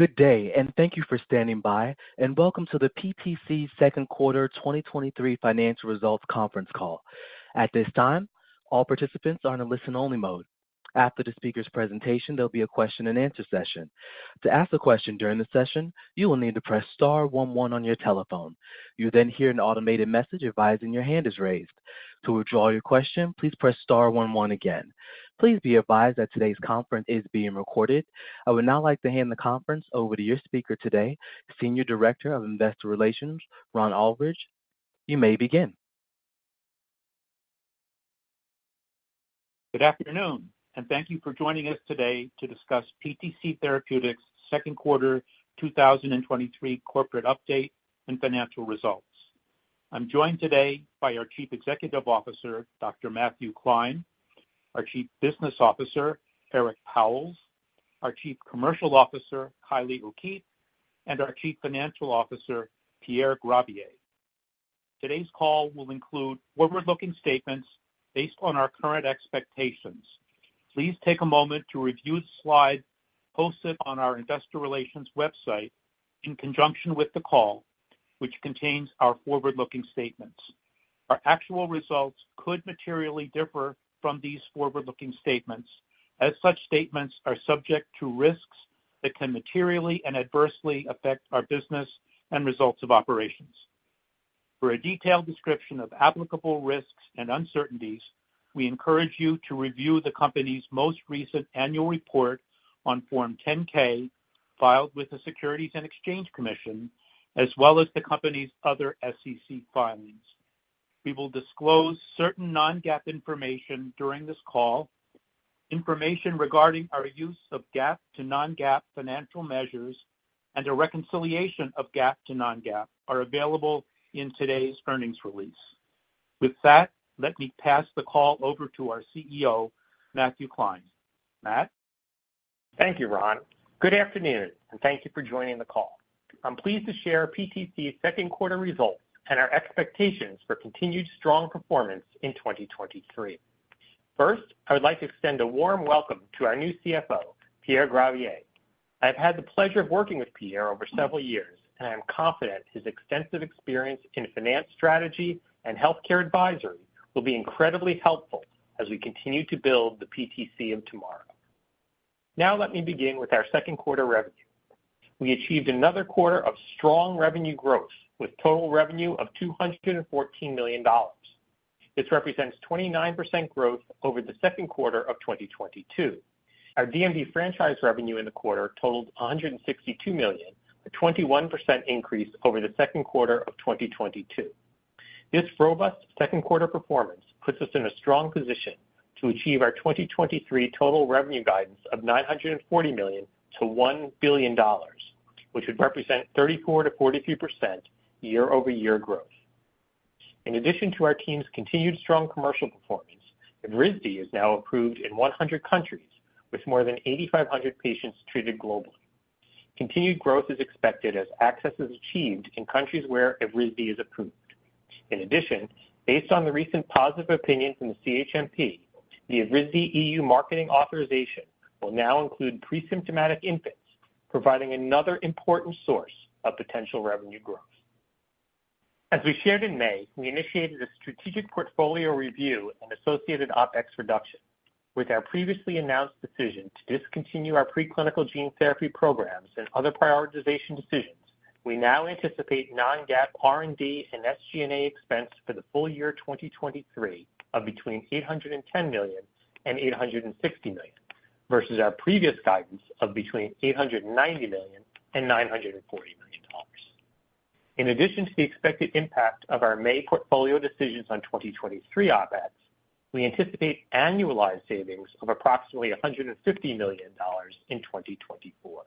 Good day, thank you for standing by, and welcome to the PTC second quarter 2023 financial results conference call. At this time, all participants are in a listen-only mode. After the speaker's presentation, there'll be a question-and-answer session. To ask a question during the session, you will need to press star 11 on your telephone. You'll then hear an automated message advising your hand is raised. To withdraw your question, please press star 11 again. Please be advised that today's conference is being recorded. I would now like to hand the conference over to your speaker today, Senior Director of Investor Relations, Ron Aldridge. You may begin. Good afternoon, thank you for joining us today to discuss PTC Therapeutics second quarter 2023 corporate update and financial results. I'm joined today by our Chief Executive Officer, Dr. Matthew Klein; our Chief Business Officer, Eric Pauwels; our Chief Commercial Officer, Kylie O'Keefe; and our Chief Financial Officer, Pierre Gravier. Today's call will include forward-looking statements based on our current expectations. Please take a moment to review the slides posted on our investor relations website in conjunction with the call, which contains our forward-looking statements. Our actual results could materially differ from these forward-looking statements, as such statements are subject to risks that can materially and adversely affect our business and results of operations. For a detailed description of applicable risks and uncertainties, we encourage you to review the company's most recent annual report on Form 10-K, filed with the Securities and Exchange Commission, as well as the company's other SEC filings. We will disclose certain non-GAAP information during this call. Information regarding our use of GAAP to non-GAAP financial measures and a reconciliation of GAAP to non-GAAP are available in today's earnings release. With that, let me pass the call over to our CEO, Matthew Klein. Matt? Thank you, Ron. Good afternoon, and thank you for joining the call. I'm pleased to share PTC's second quarter results and our expectations for continued strong performance in 2023. First, I would like to extend a warm welcome to our new CFO, Pierre Gravier. I've had the pleasure of working with Pierre over several years, and I am confident his extensive experience in finance strategy and healthcare advisory will be incredibly helpful as we continue to build the PTC of tomorrow. Now let me begin with our second quarter revenue. We achieved another quarter of strong revenue growth, with total revenue of $214 million. This represents 29% growth over the second quarter of 2022. Our DMD franchise revenue in the quarter totaled $162 million, a 21% increase over the second quarter of 2022. This robust second quarter performance puts us in a strong position to achieve our 2023 total revenue guidance of $940 million-$1 billion, which would represent 34%-42% year-over-year growth. To our team's continued strong commercial performance, Evrysdi is now approved in 100 countries, with more than 8,500 patients treated globally. Continued growth is expected as access is achieved in countries where Evrysdi is approved. Based on the recent positive opinion from the CHMP, the Evrysdi EU marketing authorization will now include pre-symptomatic infants, providing another important source of potential revenue growth. As we shared in May, we initiated a strategic portfolio review and associated OpEx reduction. With our previously announced decision to discontinue our preclinical gene therapy programs and other prioritization decisions, we now anticipate non-GAAP, R&D, and SG&A expense for the full year 2023 of between $810 million and $860 million, versus our previous guidance of between $890 million and $940 million. In addition to the expected impact of our May portfolio decisions on 2023 OpEx, we anticipate annualized savings of approximately $150 million in 2024.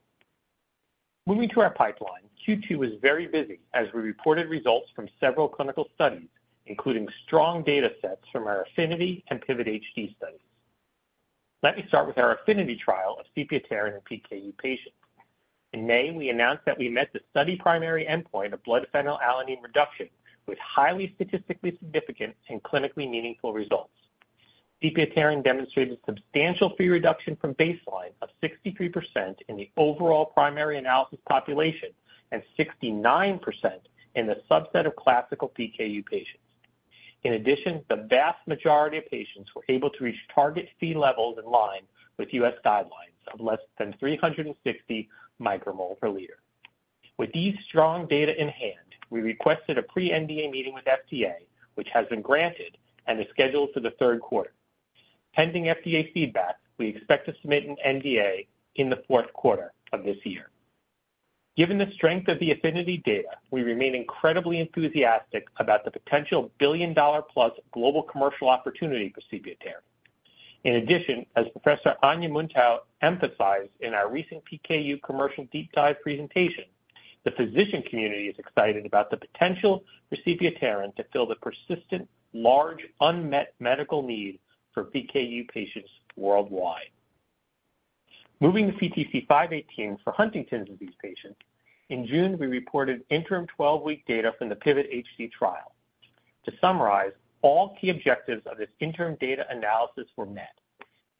Moving to our pipeline, Q2 was very busy as we reported results from several clinical studies, including strong data sets from our AFFINITY and PIVOT-HD studies. Let me start with our AFFINITY trial of sepiaterin in PKU patients. In May, we announced that we met the study primary endpoint of blood phenylalanine reduction, with highly statistically significant and clinically meaningful results. Sepiaterin demonstrated substantial fee reduction from baseline of 63% in the overall primary analysis population and 69% in the subset of classical PKU patients. In addition, the vast majority of patients were able to reach target fee levels in line with U.S. guidelines of less than 360 micromole per liter. With these strong data in hand, we requested a pre-NDA meeting with FDA, which has been granted and is scheduled for the third quarter. Pending FDA feedback, we expect to submit an NDA in the fourth quarter of this year. Given the strength of the AFFINITY data, we remain incredibly enthusiastic about the potential billion-dollar-plus global commercial opportunity for sepiaterin. In addition, as Professor Anja Muntau emphasized in our recent PKU commercial deep dive presentation, the physician community is excited about the potential for sepiaterin to fill the persistent, large, unmet medical need for PKU patients worldwide. Moving to PTC-518 for Huntington's disease patients, in June, we reported interim 12-week data from the PIVOT-HD trial. To summarize, all key objectives of this interim data analysis were met.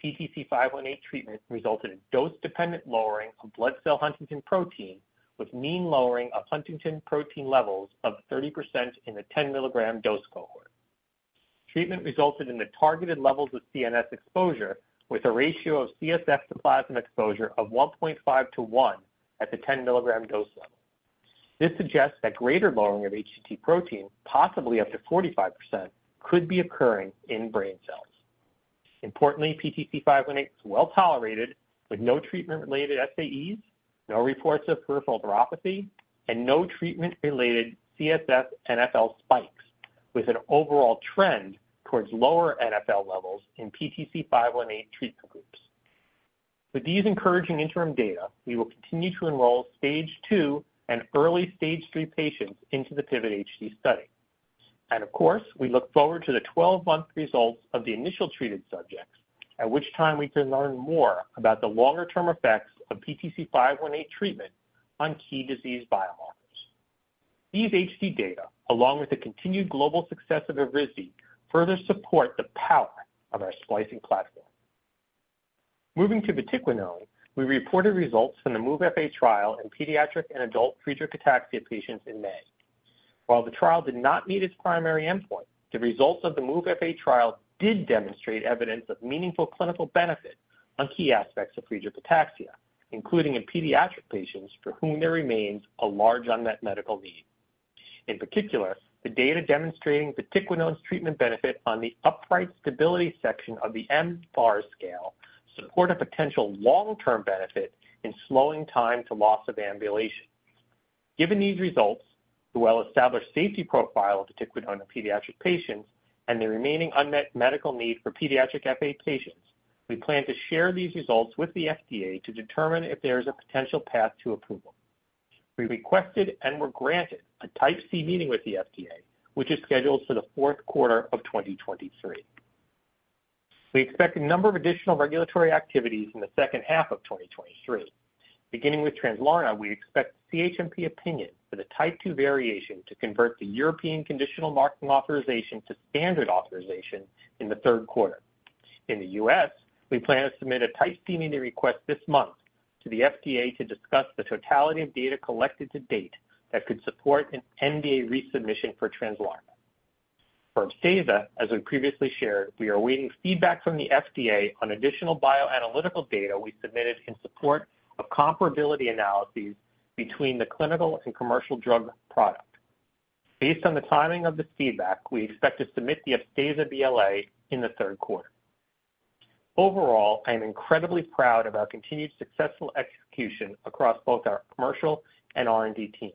PTC-518 treatment resulted in dose-dependent lowering of blood cell huntingtin protein, with mean lowering of huntingtin protein levels of 30% in the 10 milligram dose cohort. Treatment resulted in the targeted levels of CNS exposure, with a ratio of CSF to plasma exposure of 1.5 to 1 at the 10 milligram dose level. This suggests that greater lowering of HTT protein, possibly up to 45%, could be occurring in brain cells. Importantly, PTC-518 is well-tolerated, with no treatment-related SAEs, no reports of peripheral neuropathy, and no treatment-related CSF NfL spikes, with an overall trend towards lower NfL levels in PTC-518 treatment groups. With these encouraging interim data, we will continue to enroll stage two and early stage three patients into the PIVOT-HD study. Of course, we look forward to the 12-month results of the initial treated subjects, at which time we can learn more about the longer-term effects of PTC-518 treatment on key disease biomarkers. These HD data, along with the continued global success of Erysi, further support the power of our splicing platform. Moving to vatiquinone, we reported results from the MOVE-FA trial in pediatric and adult Friedreich ataxia patients in May. While the trial did not meet its primary endpoint, the results of the MOVE-FA trial did demonstrate evidence of meaningful clinical benefit on key aspects of Friedreich ataxia, including in pediatric patients for whom there remains a large unmet medical need. In particular, the data demonstrating vatiquinone's treatment benefit on the upright stability section of the mFARS scale support a potential long-term benefit in slowing time to loss of ambulation. Given these results, the well-established safety profile of betiquanone in pediatric patients and the remaining unmet medical need for pediatric FA patients, we plan to share these results with the FDA to determine if there is a potential path to approval. We requested and were granted a Type C meeting with the FDA, which is scheduled for the fourth quarter of 2023. We expect a number of additional regulatory activities in the second half of 2023. Beginning with Translarna, we expect the CHMP opinion for the type two variation to convert the European conditional marketing authorization to standard authorization in the third quarter. In the U.S., we plan to submit a Type C meeting request this month to the FDA to discuss the totality of data collected to date that could support an NDA resubmission for Translarna. For Upstaza, as we previously shared, we are awaiting feedback from the FDA on additional bioanalytical data we submitted in support of comparability analyses between the clinical and commercial drug product. Based on the timing of this feedback, we expect to submit the Upstaza BLA in the third quarter. Overall, I am incredibly proud of our continued successful execution across both our commercial and R&D teams.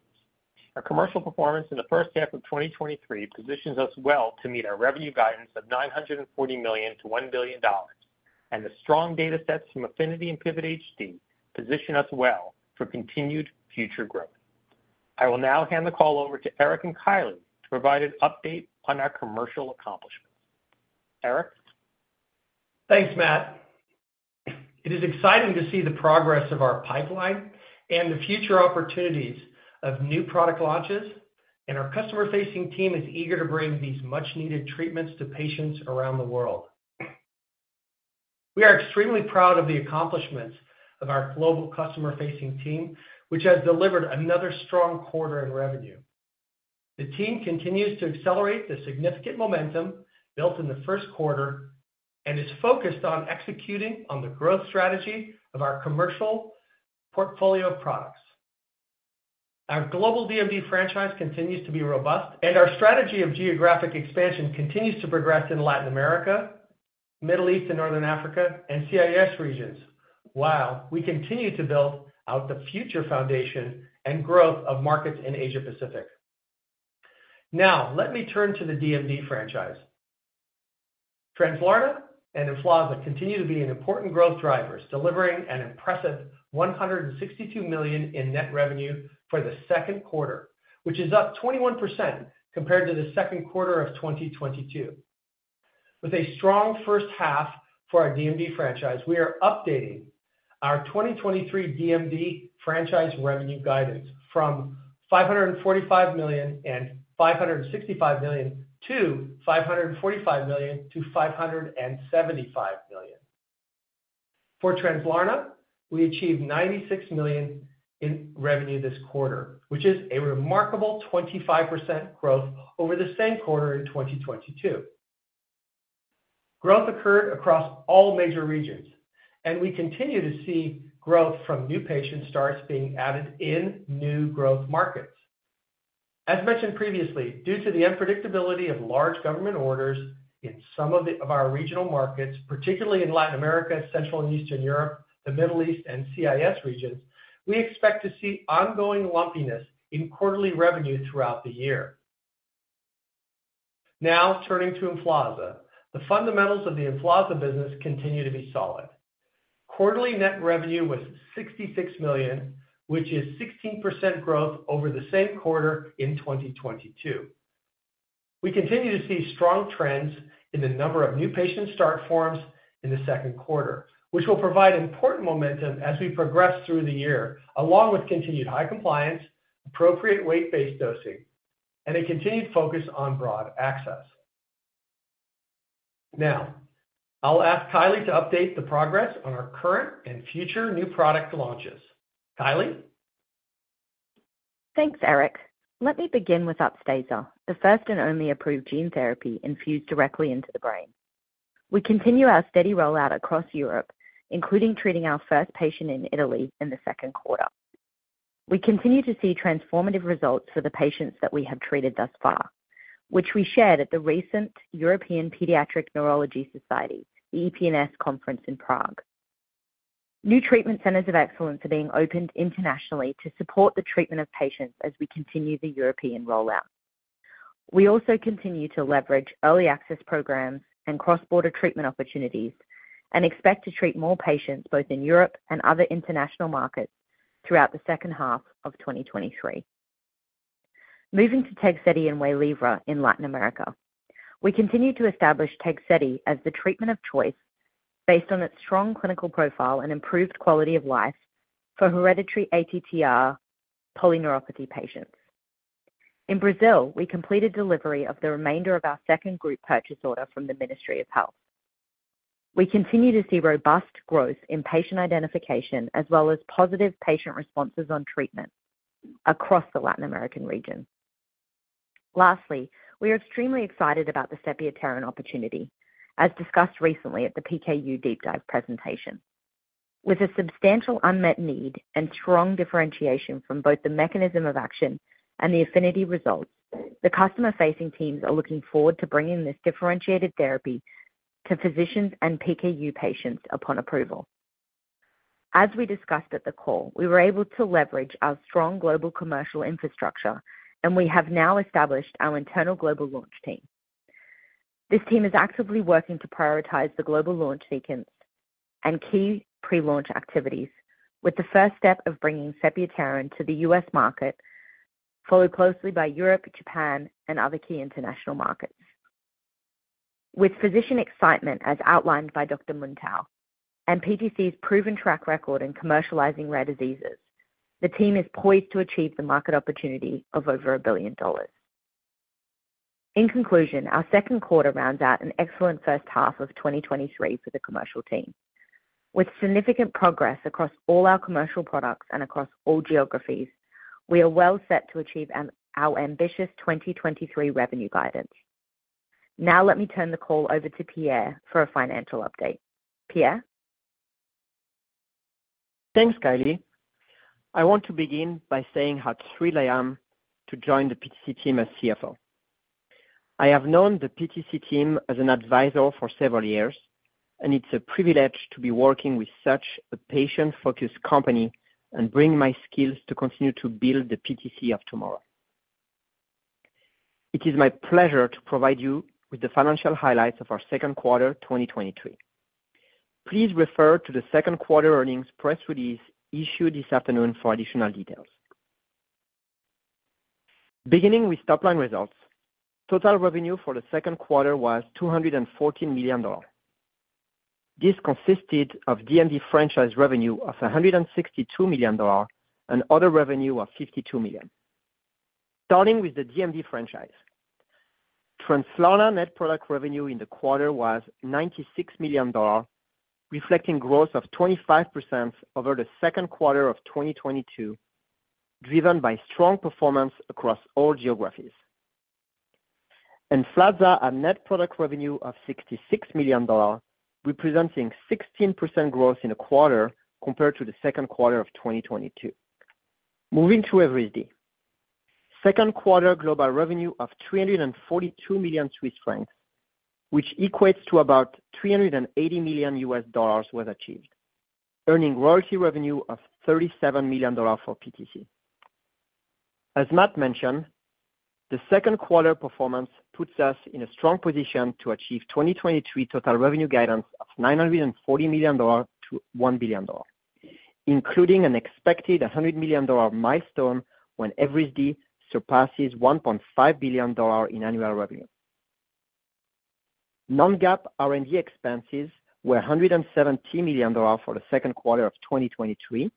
Our commercial performance in the first half of 2023 positions us well to meet our revenue guidance of $940 million-$1 billion. The strong data sets from AFFINITY and PIVOT-HD position us well for continued future growth. I will now hand the call over to Eric and Kylie to provide an update on our commercial accomplishments. Eric? Thanks, Matt. It is exciting to see the progress of our pipeline and the future opportunities of new product launches, and our customer-facing team is eager to bring these much-needed treatments to patients around the world. We are extremely proud of the accomplishments of our global customer-facing team, which has delivered another strong quarter in revenue. The team continues to accelerate the significant momentum built in the first quarter and is focused on executing on the growth strategy of our commercial portfolio of products. Our global DMD franchise continues to be robust, and our strategy of geographic expansion continues to progress in Latin America, Middle East and Northern Africa, and CIS regions, while we continue to build out the future foundation and growth of markets in Asia Pacific. Now, let me turn to the DMD franchise. Translarna and Emflaza continue to be an important growth drivers, delivering an impressive $162 million in net revenue for the second quarter, which is up 21% compared to the second quarter of 2022. With a strong first half for our DMD franchise, we are updating our 2023 DMD franchise revenue guidance from $545 million-$565 million to $545 million-$575 million. For Translarna, we achieved $96 million in revenue this quarter, which is a remarkable 25% growth over the same quarter in 2022. Growth occurred across all major regions, we continue to see growth from new patient starts being added in new growth markets. As mentioned previously, due to the unpredictability of large government orders in some of our regional markets, particularly in Latin America, Central and Eastern Europe, the Middle East, and CIS regions, we expect to see ongoing lumpiness in quarterly revenue throughout the year. Turning to Emflaza. The fundamentals of the Emflaza business continue to be solid. Quarterly net revenue was $66 million, which is 16% growth over the same quarter in 2022. We continue to see strong trends in the number of new patient start forms in the second quarter, which will provide important momentum as we progress through the year, along with continued high compliance, appropriate weight-based dosing, and a continued focus on broad access.... I'll ask Kylie to update the progress on our current and future new product launches. Kylie? Thanks, Eric. Let me begin with Upstasa, the first and only approved gene therapy infused directly into the brain. We continue our steady rollout across Europe, including treating our first patient in Italy in the second quarter. We continue to see transformative results for the patients that we have treated thus far, which we shared at the recent European Pediatric Neurology Society, the EPNS Conference in Prague. New treatment centers of excellence are being opened internationally to support the treatment of patients as we continue the European rollout. We also continue to leverage early access programs and cross-border treatment opportunities, and expect to treat more patients both in Europe and other international markets throughout the second half of 2023. Moving to Tegsedi and Waylivra in Latin America, we continue to establish Tegsedi as the treatment of choice based on its strong clinical profile and improved quality of life for hereditary ATTR polyneuropathy patients. In Brazil, we completed delivery of the remainder of our second group purchase order from the Ministry of Health. We continue to see robust growth in patient identification, as well as positive patient responses on treatment across the Latin American region. We are extremely excited about the sepiapterin opportunity, as discussed recently at the PKU deep dive presentation. With a substantial unmet need and strong differentiation from both the mechanism of action and the affinity results, the customer-facing teams are looking forward to bringing this differentiated therapy to physicians and PKU patients upon approval. As we discussed at the call, we were able to leverage our strong global commercial infrastructure, and we have now established our internal global launch team. This team is actively working to prioritize the global launch beacons and key pre-launch activities, with the first step of bringing sepiapterin to the U.S. market, followed closely by Europe, Japan, and other key international markets. With physician excitement, as outlined by Dr. Muntau, and PTC's proven track record in commercializing rare diseases, the team is poised to achieve the market opportunity of over $1 billion. In conclusion, our second quarter rounds out an excellent first half of 2023 for the commercial team. With significant progress across all our commercial products and across all geographies, we are well set to achieve our ambitious 2023 revenue guidance. Let me turn the call over to Pierre for a financial update. Pierre? Thanks, Kylie. I want to begin by saying how thrilled I am to join the PTC team as CFO. I have known the PTC team as an advisor for several years, and it's a privilege to be working with such a patient-focused company and bring my skills to continue to build the PTC of tomorrow. It is my pleasure to provide you with the financial highlights of our second quarter 2023. Please refer to the second quarter earnings press release issued this afternoon for additional details. Beginning with top-line results, total revenue for the second quarter was $214 million. This consisted of DMD franchise revenue of $162 million and other revenue of $52 million. Starting with the DMD franchise, Translana net product revenue in the quarter was $96 million, reflecting growth of 25% over the second quarter of 2022, driven by strong performance across all geographies. Emflaza, a net product revenue of $66 million, representing 16% growth in the quarter compared to the second quarter of 2022. Moving to EverySD. Second quarter global revenue of 342 million Swiss francs, which equates to about $380 million, was achieved, earning royalty revenue of $37 million for PTC. As Matt mentioned, the second quarter performance puts us in a strong position to achieve 2023 total revenue guidance of $940 million-$1 billion, including an expected $100 million milestone when EverySD surpasses $1.5 billion in annual revenue. Non-GAAP R&D expenses were $117 million for the second quarter of 2023,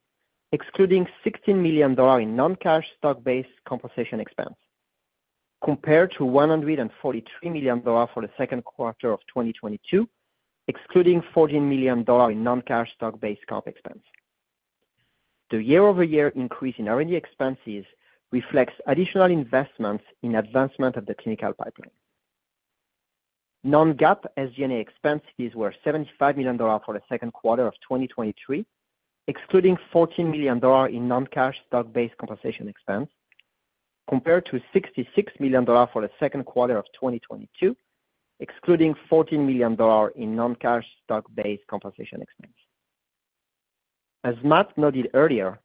excluding $16 million in non-cash stock-based compensation expense, compared to $143 million for the second quarter of 2022, excluding $14 million in non-cash stock-based comp expense. The year-over-year increase in R&D expenses reflects additional investments in advancement of the clinical pipeline. Non-GAAP SG&A expenses were $75 million for the second quarter of 2023, excluding $14 million in non-cash stock-based compensation expense, compared to $66 million for the second quarter of 2022, excluding $14 million in non-cash stock-based compensation expense. As Matt noted earlier,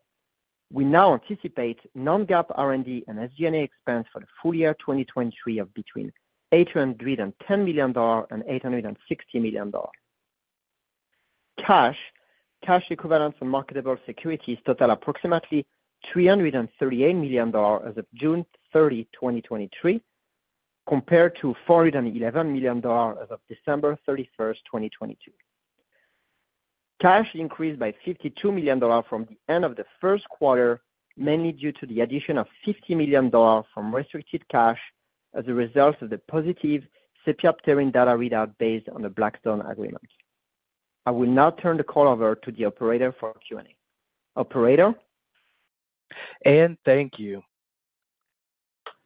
we now anticipate non-GAAP R&D and SG&A expense for the full year 2023 of between $810 million and $860 million. Cash, cash equivalents and marketable securities total approximately $338 million as of June 30, 2023, compared to $411 million as of December 31st, 2022. Cash increased by $52 million from the end of the first quarter, mainly due to the addition of $50 million from restricted cash as a result of the positive sepiapterin data readout based on the Blackstone agreement. I will now turn the call over to the operator for Q&A. Operator? Thank you.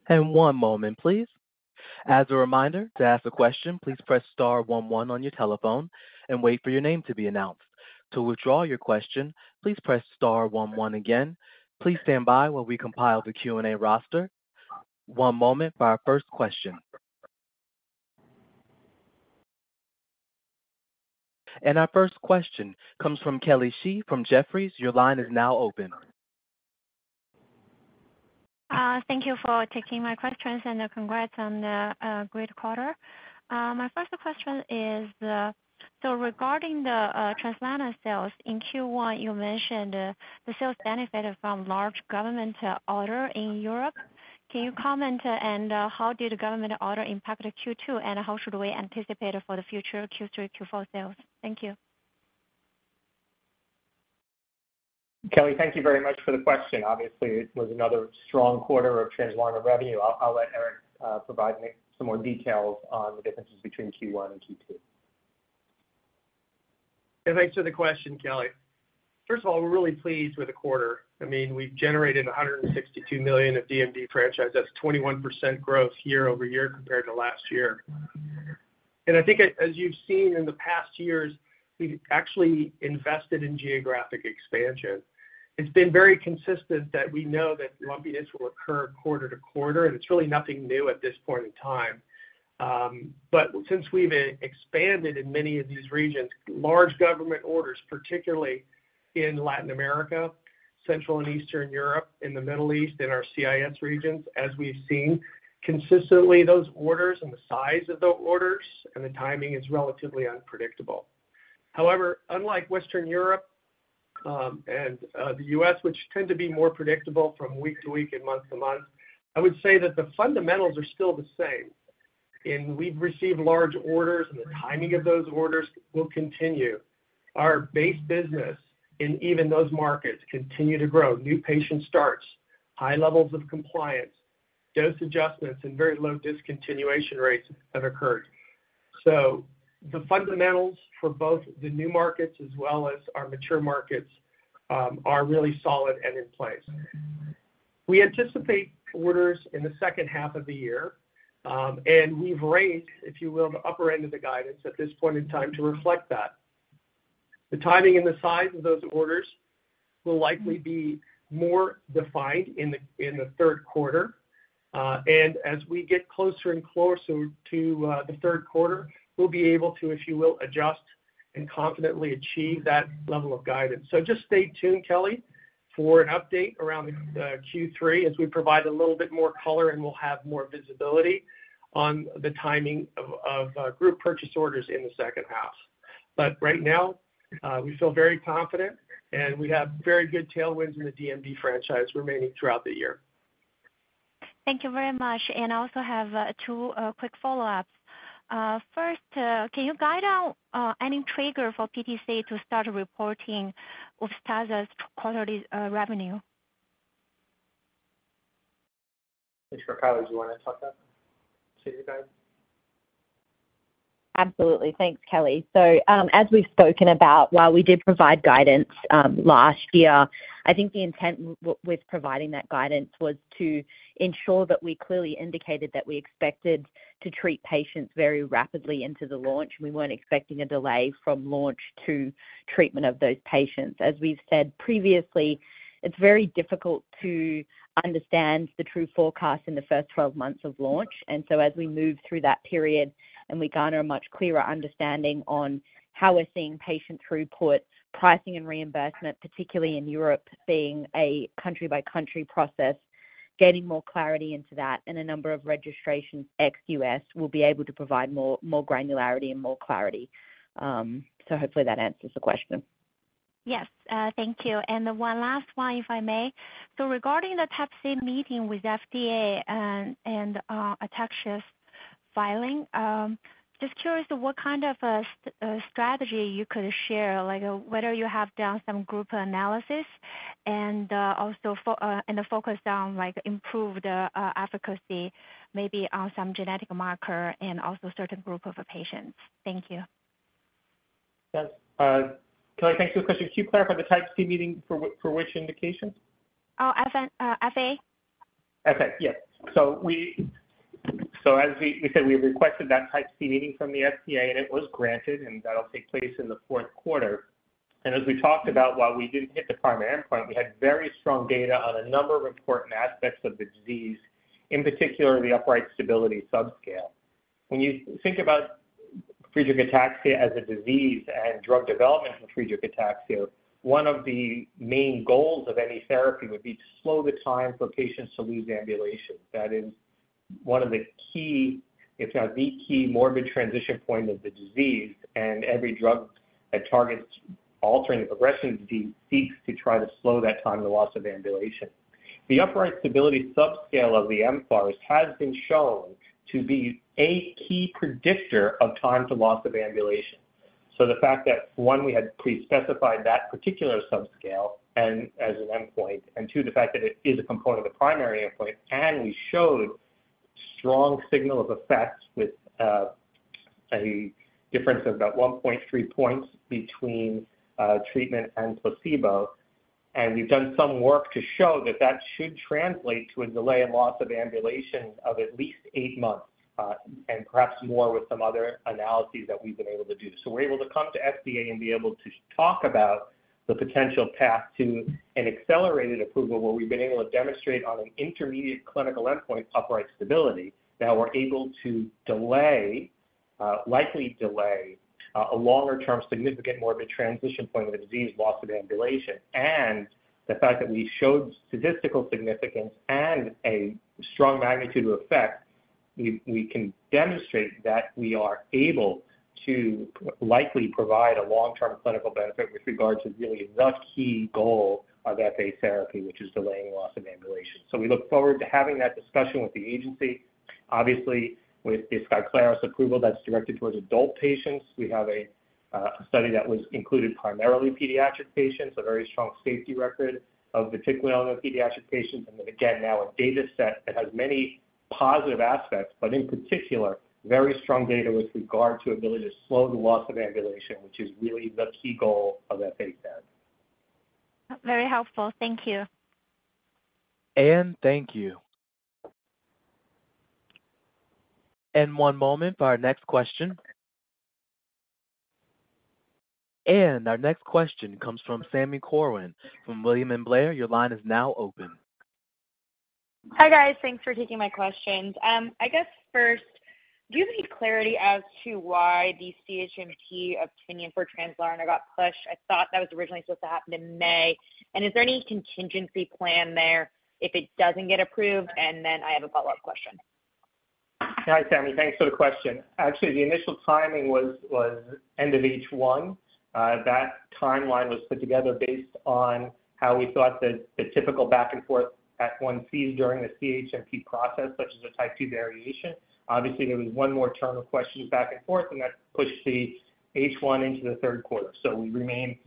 One moment, please. As a reminder, to ask a question, please press star one one on your telephone and wait for your name to be announced. To withdraw your question, please press star one one again. Please stand by while we compile the Q&A roster. One moment for our first question. Our first question comes from Kelly Shi from Jefferies. Your line is now open. Thank you for taking my questions and congrats on the great quarter. My first question is, regarding the Translarna sales in Q1, you mentioned the sales benefited from large government order in Europe. Can you comment? How did government order impact Q2, and how should we anticipate for the future Q3, Q4 sales? Thank you. Kelly, thank you very much for the question. Obviously, it was another strong quarter of Translarna revenue. I'll let Eric provide me some more details on the differences between Q1 and Q2. Yeah, thanks for the question, Kelly. First of all, we're really pleased with the quarter. I mean, we've generated $162 million of DMD franchise. That's 21% growth year-over-year compared to last year. I think as, as you've seen in the past years, we've actually invested in geographic expansion. It's been very consistent that we know that lumpiness will occur quarter-to-quarter, and it's really nothing new at this point in time. Since we've expanded in many of these regions, large government orders, particularly in Latin America, Central and Eastern Europe, in the Middle East and our CIS regions, as we've seen consistently, those orders and the size of the orders and the timing is relatively unpredictable. However, unlike Western Europe, and the U.S., which tend to be more predictable from week to week and month to month, I would say that the fundamentals are still the same, and we've received large orders, and the timing of those orders will continue. Our base business in even those markets continue to grow. New patient starts, high levels of compliance, dose adjustments, and very low discontinuation rates have occurred. The fundamentals for both the new markets as well as our mature markets are really solid and in place. We anticipate orders in the second half of the year, and we've raised, if you will, the upper end of the guidance at this point in time to reflect that. The timing and the size of those orders will likely be more defined in the third quarter. As we get closer and closer to the third quarter, we'll be able to, if you will, adjust and confidently achieve that level of guidance. Just stay tuned, Kelly, for an update around the Q3 as we provide a little bit more color and we'll have more visibility on the timing of, of group purchase orders in the second half. Right now, we feel very confident, and we have very good tailwinds in the DMD franchise remaining throughout the year. Thank you very much. I also have two quick follow-ups. First, can you guide out any trigger for PTC to start reporting Upstaza's quarterly revenue? It's for Kylie. Do you wanna talk that? See if you can. Absolutely. Thanks, Kelly. As we've spoken about, while we did provide guidance, last year, I think the intent with providing that guidance was to ensure that we clearly indicated that we expected to treat patients very rapidly into the launch. We weren't expecting a delay from launch to treatment of those patients. As we've said previously, it's very difficult to understand the true forecast in the first 12 months of launch. As we move through that period and we garner a much clearer understanding on how we're seeing patient throughput, pricing and reimbursement, particularly in Europe, being a country-by-country process, getting more clarity into that and a number of registrations ex-US, we'll be able to provide more, more granularity and more clarity. Hopefully that answers the question. Yes, thank you. One last one, if I may. Regarding the Type C meeting with FDA and, and vatiquinone's filing, just curious, what kind of a strategy you could share, like whether you have done some group analysis and also and a focus on, like, improved efficacy, maybe on some genetic marker and also certain group of patients? Thank you. Yes. Kelly, thanks for the question. Can you clarify the Type C meeting for for which indication? FA, yes. As we said, we requested that Type C meeting from the FDA, and it was granted, and that'll take place in the fourth quarter. As we talked about, while we didn't hit the primary endpoint, we had very strong data on a number of important aspects of the disease, in particular, the upright stability subscale. When you think about Friedreich ataxia as a disease and drug development in Friedreich ataxia, one of the main goals of any therapy would be to slow the time for patients to lose ambulation. That is one of the key, if not the key, morbid transition point of the disease, and every drug that targets altering or aggressing the disease seeks to try to slow that time of loss of ambulation. The upright stability subscale of the mFARS has been shown to be a key predictor of time to loss of ambulation. The fact that, 1, we had pre-specified that particular subscale and as an endpoint, and 2, the fact that it is a component of the primary endpoint, and we showed strong signal of effect with a difference of about 1.3 points between treatment and placebo. We've done some work to show that that should translate to a delay in loss of ambulation of at least 8 months, and perhaps more with some other analyses that we've been able to do. We're able to come to FDA and be able to talk about the potential path to an accelerated approval, where we've been able to demonstrate on an intermediate clinical endpoint, upright stability, that we're able to delay, likely delay, a longer-term, significant morbid transition point of the disease, loss of ambulation. The fact that we showed statistical significance and a strong magnitude of effect, we, we can demonstrate that we are able to likely provide a long-term clinical benefit with regard to really the key goal of that phase therapy, which is delaying loss of ambulation. We look forward to having that discussion with the agency. Obviously, with the Skyclarys' approval that's directed towards adult patients. We have a, a study that was included primarily pediatric patients, a very strong safety record of particularly on the pediatric patients. Again, now a data set that has many positive aspects, but in particular, very strong data with regard to ability to slow the loss of ambulation, which is really the key goal of that phase then. Very helpful. Thank you. Anne, thank you. One moment for our next question. Our next question comes from Sami Corwin from William Blair. Your line is now open. Hi, guys. Thanks for taking my questions. I guess first, do you have any clarity as to why the CHMP opinion for Translarna got pushed? I thought that was originally supposed to happen in May. Is there any contingency plan there if it doesn't get approved? I have a follow-up question. Hi, Sami. Thanks for the question. Actually, the initial timing was end of H1. That timeline was put together based on how we thought that the typical back and forth at 1 sees during the CHMP process, such as a type 2 variation. Obviously, there was 1 more term of questions back and forth, and that pushed the H1 into the 3rd quarter. We remain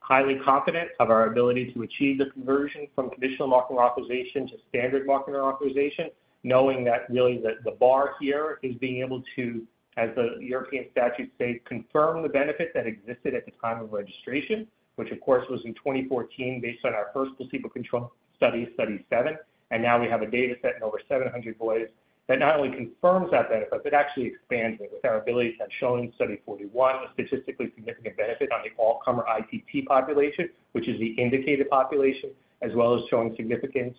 highly confident of our ability to achieve the conversion from traditional marketing authorization to standard marketing authorization, knowing that really the bar here is being able to, as the European statutes state, confirm the benefit that existed at the time of registration, which of course, was in 2014, based on our 1st placebo-controlled study, study 7. Now we have a data set in over 700 boys that not only confirms that benefit but actually expands it with our ability to have shown study 41, a statistically significant benefit on the all-comer ITP population, which is the indicated population, as well as showing significance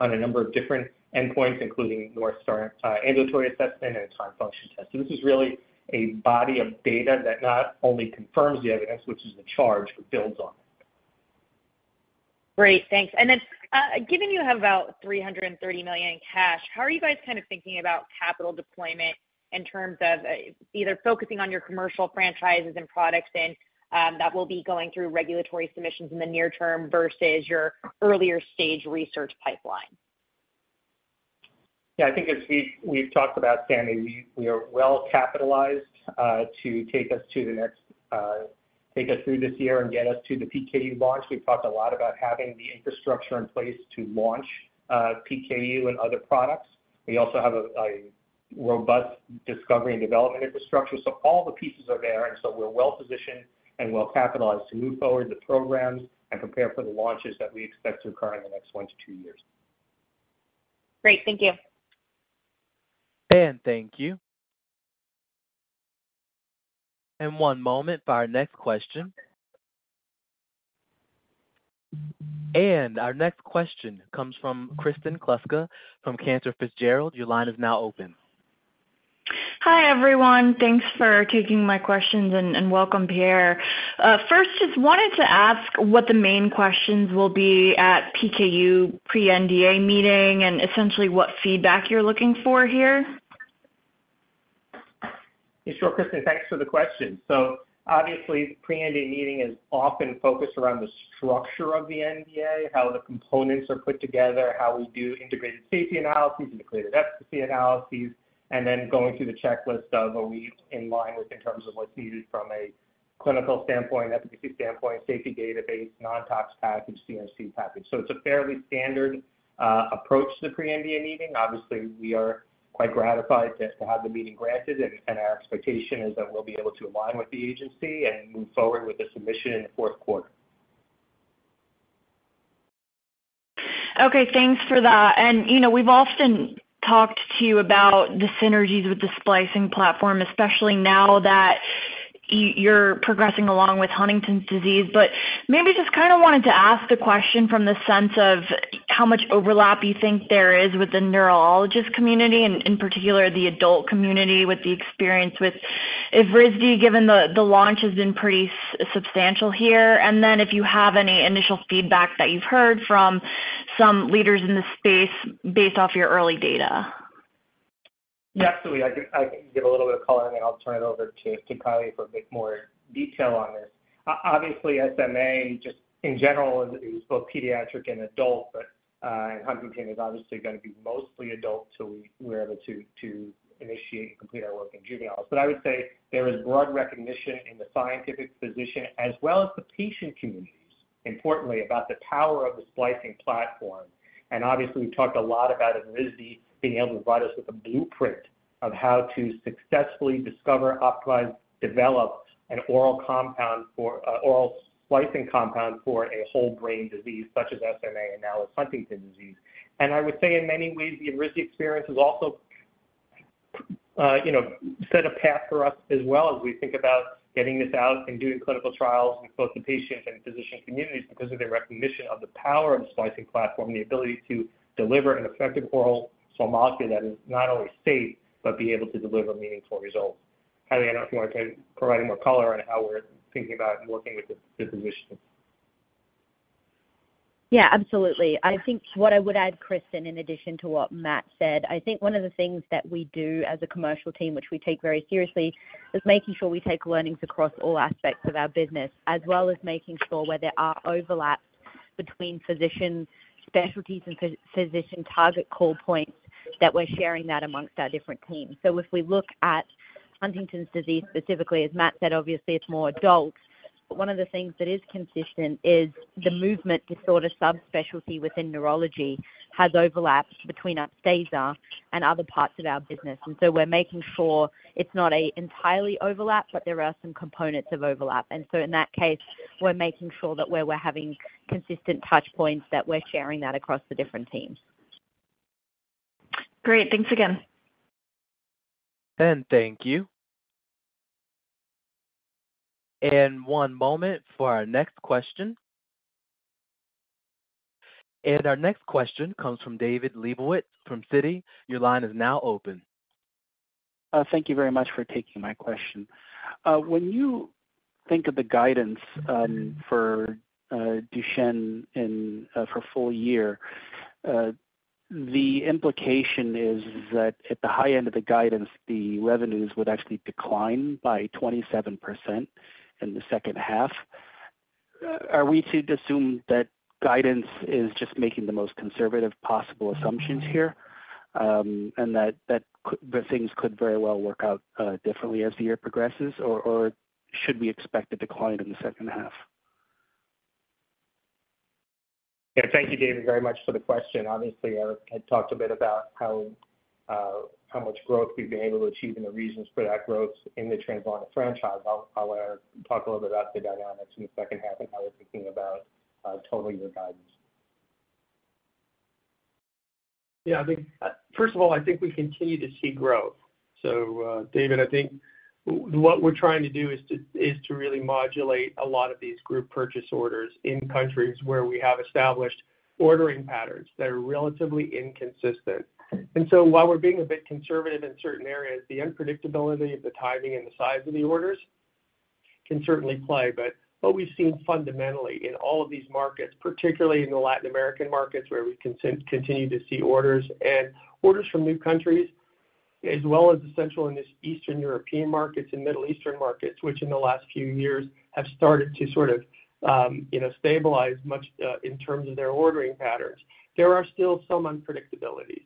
on a number of different endpoints, including North Star, ambulatory assessment and a time function test. This is really a body of data that not only confirms the evidence, which is the charge, but builds on it. Great, thanks. Then, given you have about $330 million in cash, how are you guys kind of thinking about capital deployment in terms of, either focusing on your commercial franchises and products and, that will be going through regulatory submissions in the near term versus your earlier stage research pipeline? Yeah, I think as we've talked about, Sammy, we are well capitalized to take us to the next, take us through this year and get us to the PKU launch. We've talked a lot about having the infrastructure in place to launch, PKU and other products. We also have a robust discovery and development infrastructure, all the pieces are there, and so we're well-positioned and well-capitalized to move forward the programs and prepare for the launches that we expect to occur in the next 1 to 2 years. Great. Thank you. Anne, thank you. One moment for our next question. Our next question comes from Kristen Kluska from Cantor Fitzgerald. Your line is now open. Hi, everyone. Thanks for taking my questions and welcome, Pierre. First, just wanted to ask what the main questions will be at PKU pre-NDA meeting and essentially what feedback you're looking for here? Sure, Kristen, thanks for the question. Obviously, pre-NDA meeting is often focused around the structure of the NDA, how the components are put together, how we do integrated safety analyses, integrated efficacy analyses, and then going through the checklist of are we in line with in terms of what's needed from a clinical standpoint, efficacy standpoint, safety database, non-tax package, CMC package. It's a fairly standard approach to the pre-NDA meeting. Obviously, we are quite gratified to have the meeting granted, and our expectation is that we'll be able to align with the agency and move forward with the submission in the fourth quarter. Okay, thanks for that. You know, we've often talked to you about the synergies with the splicing platform, especially now that you're progressing along with Huntington's disease. Maybe just kind of wanted to ask the question from the sense of how much overlap you think there is with the neurologist community, and in particular, the adult community, with the experience with Evrysdi, given the launch has been pretty substantial here. Then if you have any initial feedback that you've heard from some leaders in this space based off your early data? ... Yeah, absolutely. I can, I can give a little bit of color, and then I'll turn it over to Kylie for a bit more detail on this. Obviously, SMA, just in general, is, is both pediatric and adult, but, and Huntington is obviously going to be mostly adult till we're able to initiate and complete our work in juveniles. I would say there is broad recognition in the scientific physician as well as the patient communities, importantly, about the power of the splicing platform. Obviously, we've talked a lot about Evrysdi being able to provide us with a blueprint of how to successfully discover, optimize, develop an oral compound for oral splicing compound for a whole brain disease such as SMA and now with Huntington's disease. I would say in many ways, the Evrysdi experience has also, you know, set a path for us as well as we think about getting this out and doing clinical trials in both the patient and physician communities because of their recognition of the power of the splicing platform, the ability to deliver an effective oral small molecule that is not only safe, but be able to deliver meaningful results. Kylie, I don't know if you want to provide any more color on how we're thinking about and working with the, the physicians? Yeah, absolutely. I think what I would add, Kristen, in addition to what Matt said, I think one of the things that we do as a commercial team, which we take very seriously, is making sure we take learnings across all aspects of our business, as well as making sure where there are overlaps between physician specialties and physician target call points, that we're sharing that amongst our different teams. If we look at Huntington's disease, specifically, as Matt said, obviously, it's more adult. One of the things that is consistent is the movement disorder subspecialty within neurology has overlaps between Upstazaand other parts of our business. We're making sure it's not a entirely overlap, but there are some components of overlap. In that case, we're making sure that where we're having consistent touch points, that we're sharing that across the different teams. Great. Thanks again. Thank you. One moment for our next question. Our next question comes from David Lebowitz from Citi. Your line is now open. Thank you very much for taking my question. When you think of the guidance, for Duchenne in for full year, the implication is that at the high end of the guidance, the revenues would actually decline by 27% in the second half. Are we to assume that guidance is just making the most conservative possible assumptions here, and that, the things could very well work out differently as the year progresses, or, or should we expect a decline in the second half? Yeah, thank you, David, very much for the question. Obviously, I had talked a bit about how, how much growth we've been able to achieve and the reasons for that growth in the Translarna franchise. I'll, I'll, talk a little bit about the dynamics in the second half and how we're thinking about, totaling the guidance. Yeah, I think, first of all, I think we continue to see growth. David, I think what we're trying to do is to, is to really modulate a lot of these group purchase orders in countries where we have established ordering patterns that are relatively inconsistent. While we're being a bit conservative in certain areas, the unpredictability of the timing and the size of the orders can certainly play. What we've seen fundamentally in all of these markets, particularly in the Latin American markets, where we continue to see orders and orders from new countries, as well as the Central and Eastern European markets and Middle Eastern markets, which in the last few years have started to sort of, you know, stabilize much in terms of their ordering patterns. There are still some unpredictabilities.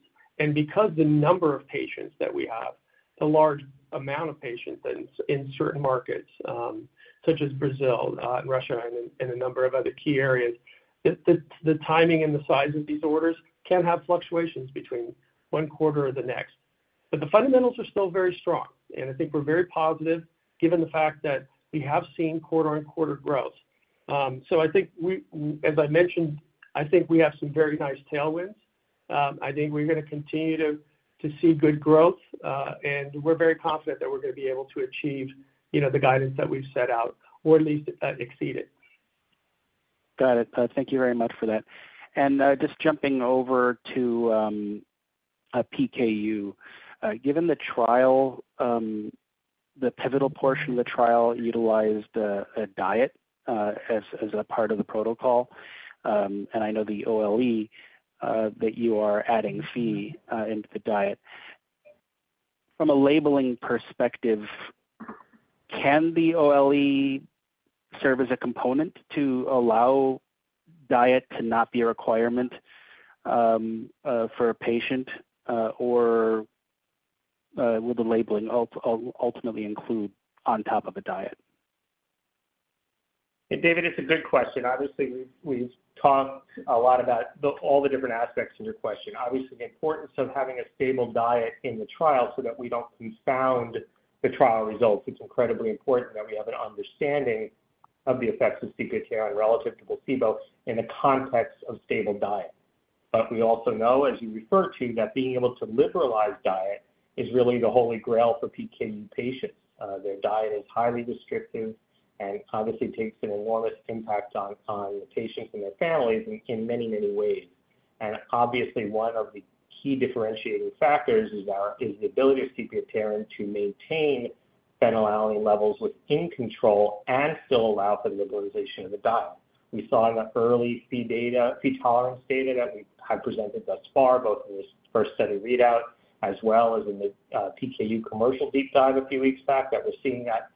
Because the number of patients that we have, the large amount of patients in, in certain markets, such as Brazil, and Russia, and a number of other key areas, the, the, the timing and the size of these orders can have fluctuations between one quarter or the next. The fundamentals are still very strong, and I think we're very positive given the fact that we have seen quarter-on-quarter growth. I think we, as I mentioned, I think we have some very nice tailwinds. I think we're going to continue to, to see good growth, and we're very confident that we're going to be able to achieve, you know, the guidance that we've set out, or at least, exceed it. Got it. Thank you very much for that. Just jumping over to PKU, given the trial, the pivotal portion of the trial utilized a diet as, as a part of the protocol, and I know the OLE that you are adding fee into the diet. From a labeling perspective, can the OLE serve as a component to allow diet to not be a requirement for a patient, or will the labeling ultimately include on top of a diet? Hey, David, it's a good question. Obviously, we've talked a lot about all the different aspects of your question. Obviously, the importance of having a stable diet in the trial so that we don't confound the trial results. It's incredibly important that we have an understanding of the effects of sepiapterin relative to placebo in the context of stable diet. We also know, as you refer to, that being able to liberalize diet is really the holy grail for PKU patients. Their diet is highly restrictive and obviously takes an enormous impact on, on the patients and their families in many, many ways. Obviously, one of the key differentiating factors is the ability of sepiapterin to maintain... phenylalanine levels within control and still allow for the liberalization of the diet. We saw in the early Phe data, Phe tolerance data that we have presented thus far, both in this first set of readouts as well as in the PKU commercial deep dive a few weeks back, that we're seeing that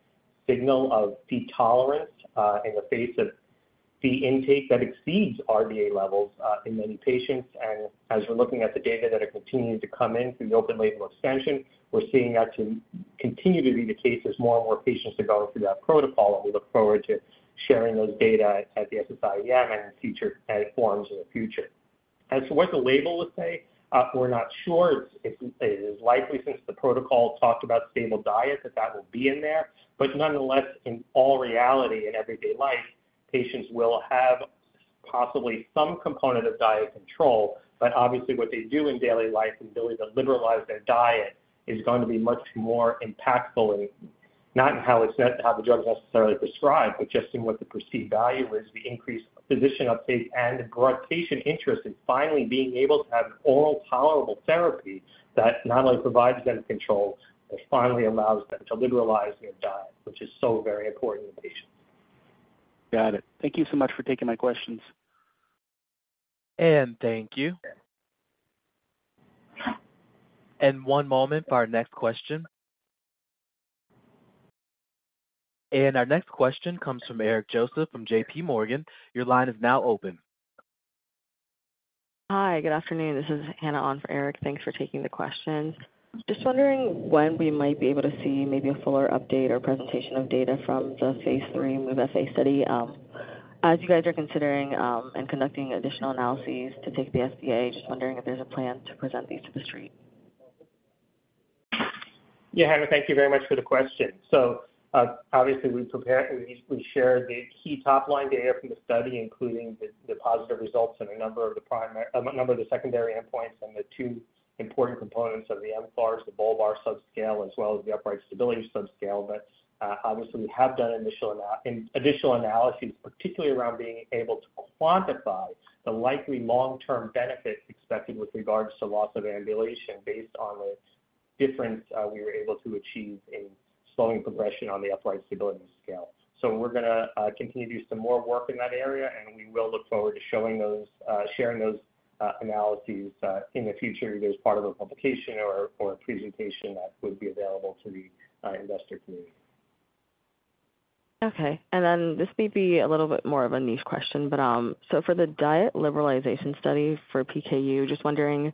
signal of Phe tolerance in the face of Phe intake that exceeds RDA levels in many patients. As we're looking at the data that are continuing to come in through the open label extension, we're seeing that to continue to be the case as more and more patients are going through that protocol. We look forward to sharing those data at the SSIEM and at forums in the future. As to what the label will say, we're not sure. It is likely, since the protocol talked about stable diet, that that will be in there. Nonetheless, in all reality, in everyday life, patients will have possibly some component of diet control. Obviously, what they do in daily life and ability to liberalize their diet is going to be much more impactful and not in how it's not how the drug is necessarily prescribed, but just in what the perceived value is, the increased physician uptake and broad patient interest in finally being able to have an oral tolerable therapy that not only provides them control, but finally allows them to liberalize their diet, which is so very important to patients. Got it. Thank you so much for taking my questions. Thank you. One moment for our next question. Our next question comes from Eric Joseph from JP Morgan. Your line is now open. Hi, good afternoon. This is Hannah on for Eric. Thanks for taking the question. Just wondering when we might be able to see maybe a fuller update or presentation of data from the phase three MOVE-FA study. As you guys are considering and conducting additional analyses to take to the FDA, just wondering if there's a plan to present these to the street? Yeah, Hannah, thank you very much for the question. Obviously, we shared the key top-line data from the study, including the positive results in a number of the primary... a number of the secondary endpoints and the two important components of the mFARS, the Bulbar subscale, as well as the upright stability subscale. Obviously, we have done additional analyses, particularly around being able to quantify the likely long-term benefit expected with regards to loss of ambulation, based on the difference we were able to achieve in slowing progression on the upright stability scale. We're gonna continue to do some more work in that area, and we will look forward to showing those, sharing those, analyses, in the future, either as part of a publication or, or a presentation that would be available to the investor community. This may be a little bit more of a niche question, for the diet liberalization study for PKU, just wondering,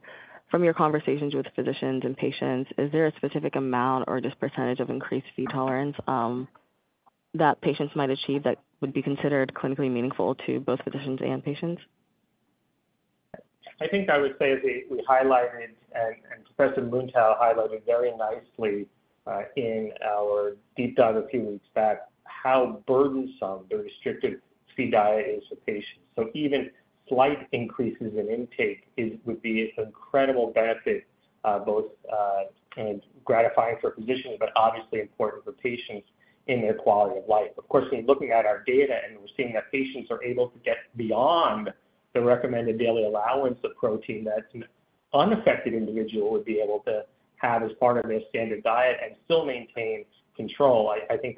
from your conversations with physicians and patients, is there a specific amount or just % of increased Phe tolerance that patients might achieve that would be considered clinically meaningful to both physicians and patients? I think I would say, as we highlighted and Professor Muntau highlighted very nicely, in our deep dive a few weeks back, how burdensome the restricted Phe diet is for patients. Even slight increases in intake would be an incredible benefit, both, kind of gratifying for physicians, but obviously important for patients in their quality of life. Of course, in looking at our data, we're seeing that patients are able to get beyond the recommended daily allowance of protein that an unaffected individual would be able to have as part of their standard diet and still maintain control. I think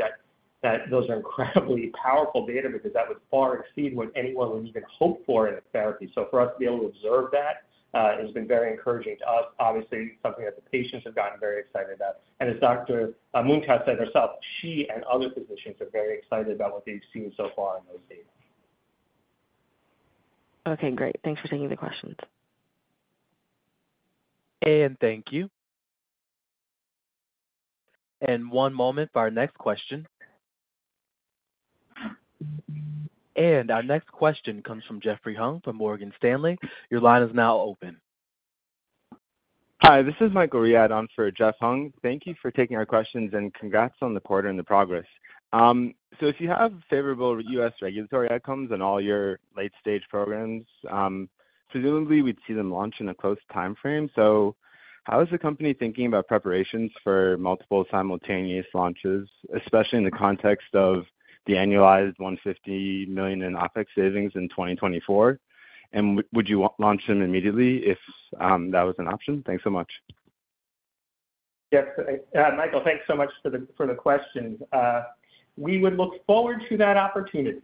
that those are incredibly powerful data because that would far exceed what anyone would even hope for in a therapy. For us to be able to observe that, has been very encouraging to us, obviously something that the patients have gotten very excited about. As Dr. Muntau said herself, she and other physicians are very excited about what they've seen so far in those data. Okay, great. Thanks for taking the questions. Thank you. One moment for our next question. Our next question comes from Jeffrey Hung from Morgan Stanley. Your line is now open. Hi, this is Michael Ryskin on for Jeff Hung. Thank you for taking our questions and congrats on the quarter and the progress. If you have favorable U.S. regulatory outcomes in all your late-stage programs, presumably we'd see them launch in a close timeframe. How is the company thinking about preparations for multiple simultaneous launches, especially in the context of the annualized $150 million in OpEx savings in 2024? Would you launch them immediately if that was an option? Thanks so much. Yes, Michael, thanks so much for the, for the question. We would look forward to that opportunity.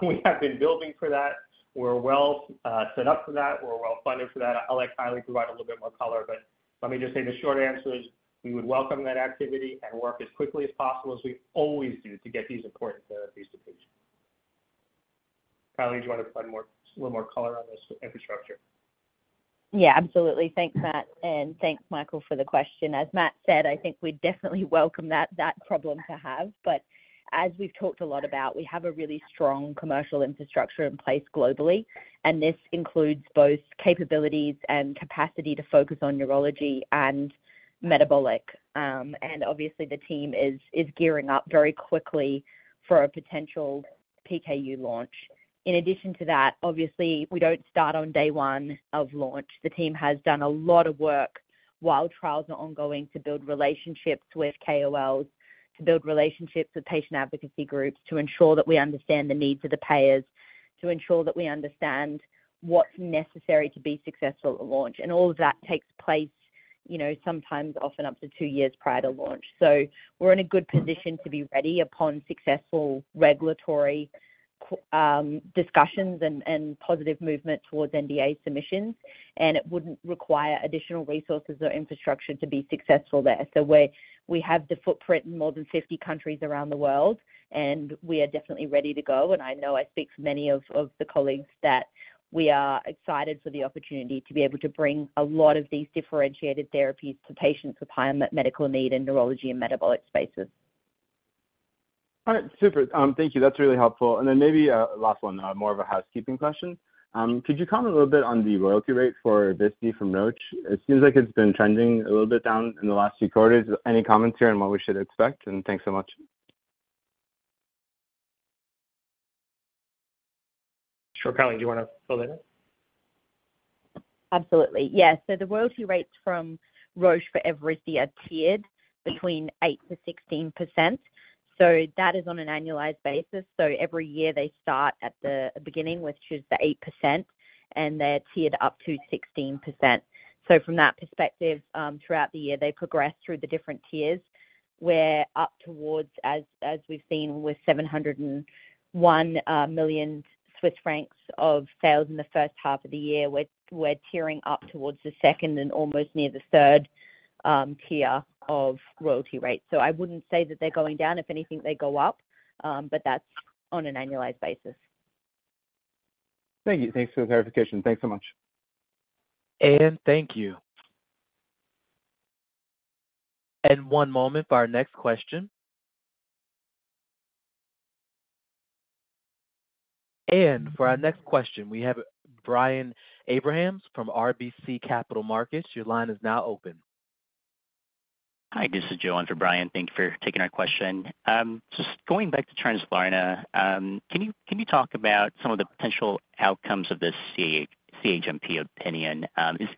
We have been building for that. We're well, set up for that. We're well-funded for that. I'll let Kylie provide a little bit more color, but let me just say the short answer is, we would welcome that activity and work as quickly as possible, as we always do, to get these important therapies to patients. Kylie, do you want to provide more, a little more color on this infrastructure? Yeah, absolutely. Thanks, Matt, and thanks, Michael, for the question. As Matt said, I think we'd definitely welcome that, that problem to have. As we've talked a lot about, we have a really strong commercial infrastructure in place globally, and this includes both capabilities and capacity to focus on neurology and metabolic. Obviously, the team is gearing up very quickly for a potential PKU launch. In addition to that, obviously, we don't start on day one of launch. The team has done a lot of work while trials are ongoing, to build relationships with KOLs, to build relationships with patient advocacy groups, to ensure that we understand the needs of the payers, to ensure that we understand what's necessary to be successful at launch. All of that takes place, you know, sometimes often up to two years prior to launch. We're in a good position to be ready upon successful regulatory discussions and, and positive movement towards NDA submissions, and it wouldn't require additional resources or infrastructure to be successful there. We have the footprint in more than 50 countries around the world, and we are definitely ready to go. I know I speak for many of, of the colleagues that we are excited for the opportunity to be able to bring a lot of these differentiated therapies to patients with high medical need in neurology and metabolic spaces. All right. Super. Thank you. That's really helpful. Maybe, last one, more of a housekeeping question. Could you comment a little bit on the royalty rate for Visme from Roche? It seems like it's been trending a little bit down in the last few quarters. Any comments here on what we should expect? Thanks so much. Sure, Kylie, do you want to fill that in? Absolutely. Yes. The royalty rates from Roche for Everisi are tiered between 8%-16%. That is on an annualized basis. Every year, they start at the beginning, which is the 8%, and they're tiered up to 16%. From that perspective, throughout the year, they progress through the different tiers, where up towards, as we've seen with 701 million Swiss francs of sales in the first half of the year, we're, we're tiering up towards the second and almost near the third tier of royalty rates. I wouldn't say that they're going down. If anything, they go up, but that's on an annualized basis. Thank you. Thanks for the clarification. Thanks so much. Thank you. One moment for our next question. For our next question, we have Brian Abrahams from RBC Capital Markets. Your line is now open. Hi, this is Gena for Brian. Thank you for taking our question. Just going back to Translarna, can you talk about some of the potential outcomes of this CHMP opinion? Is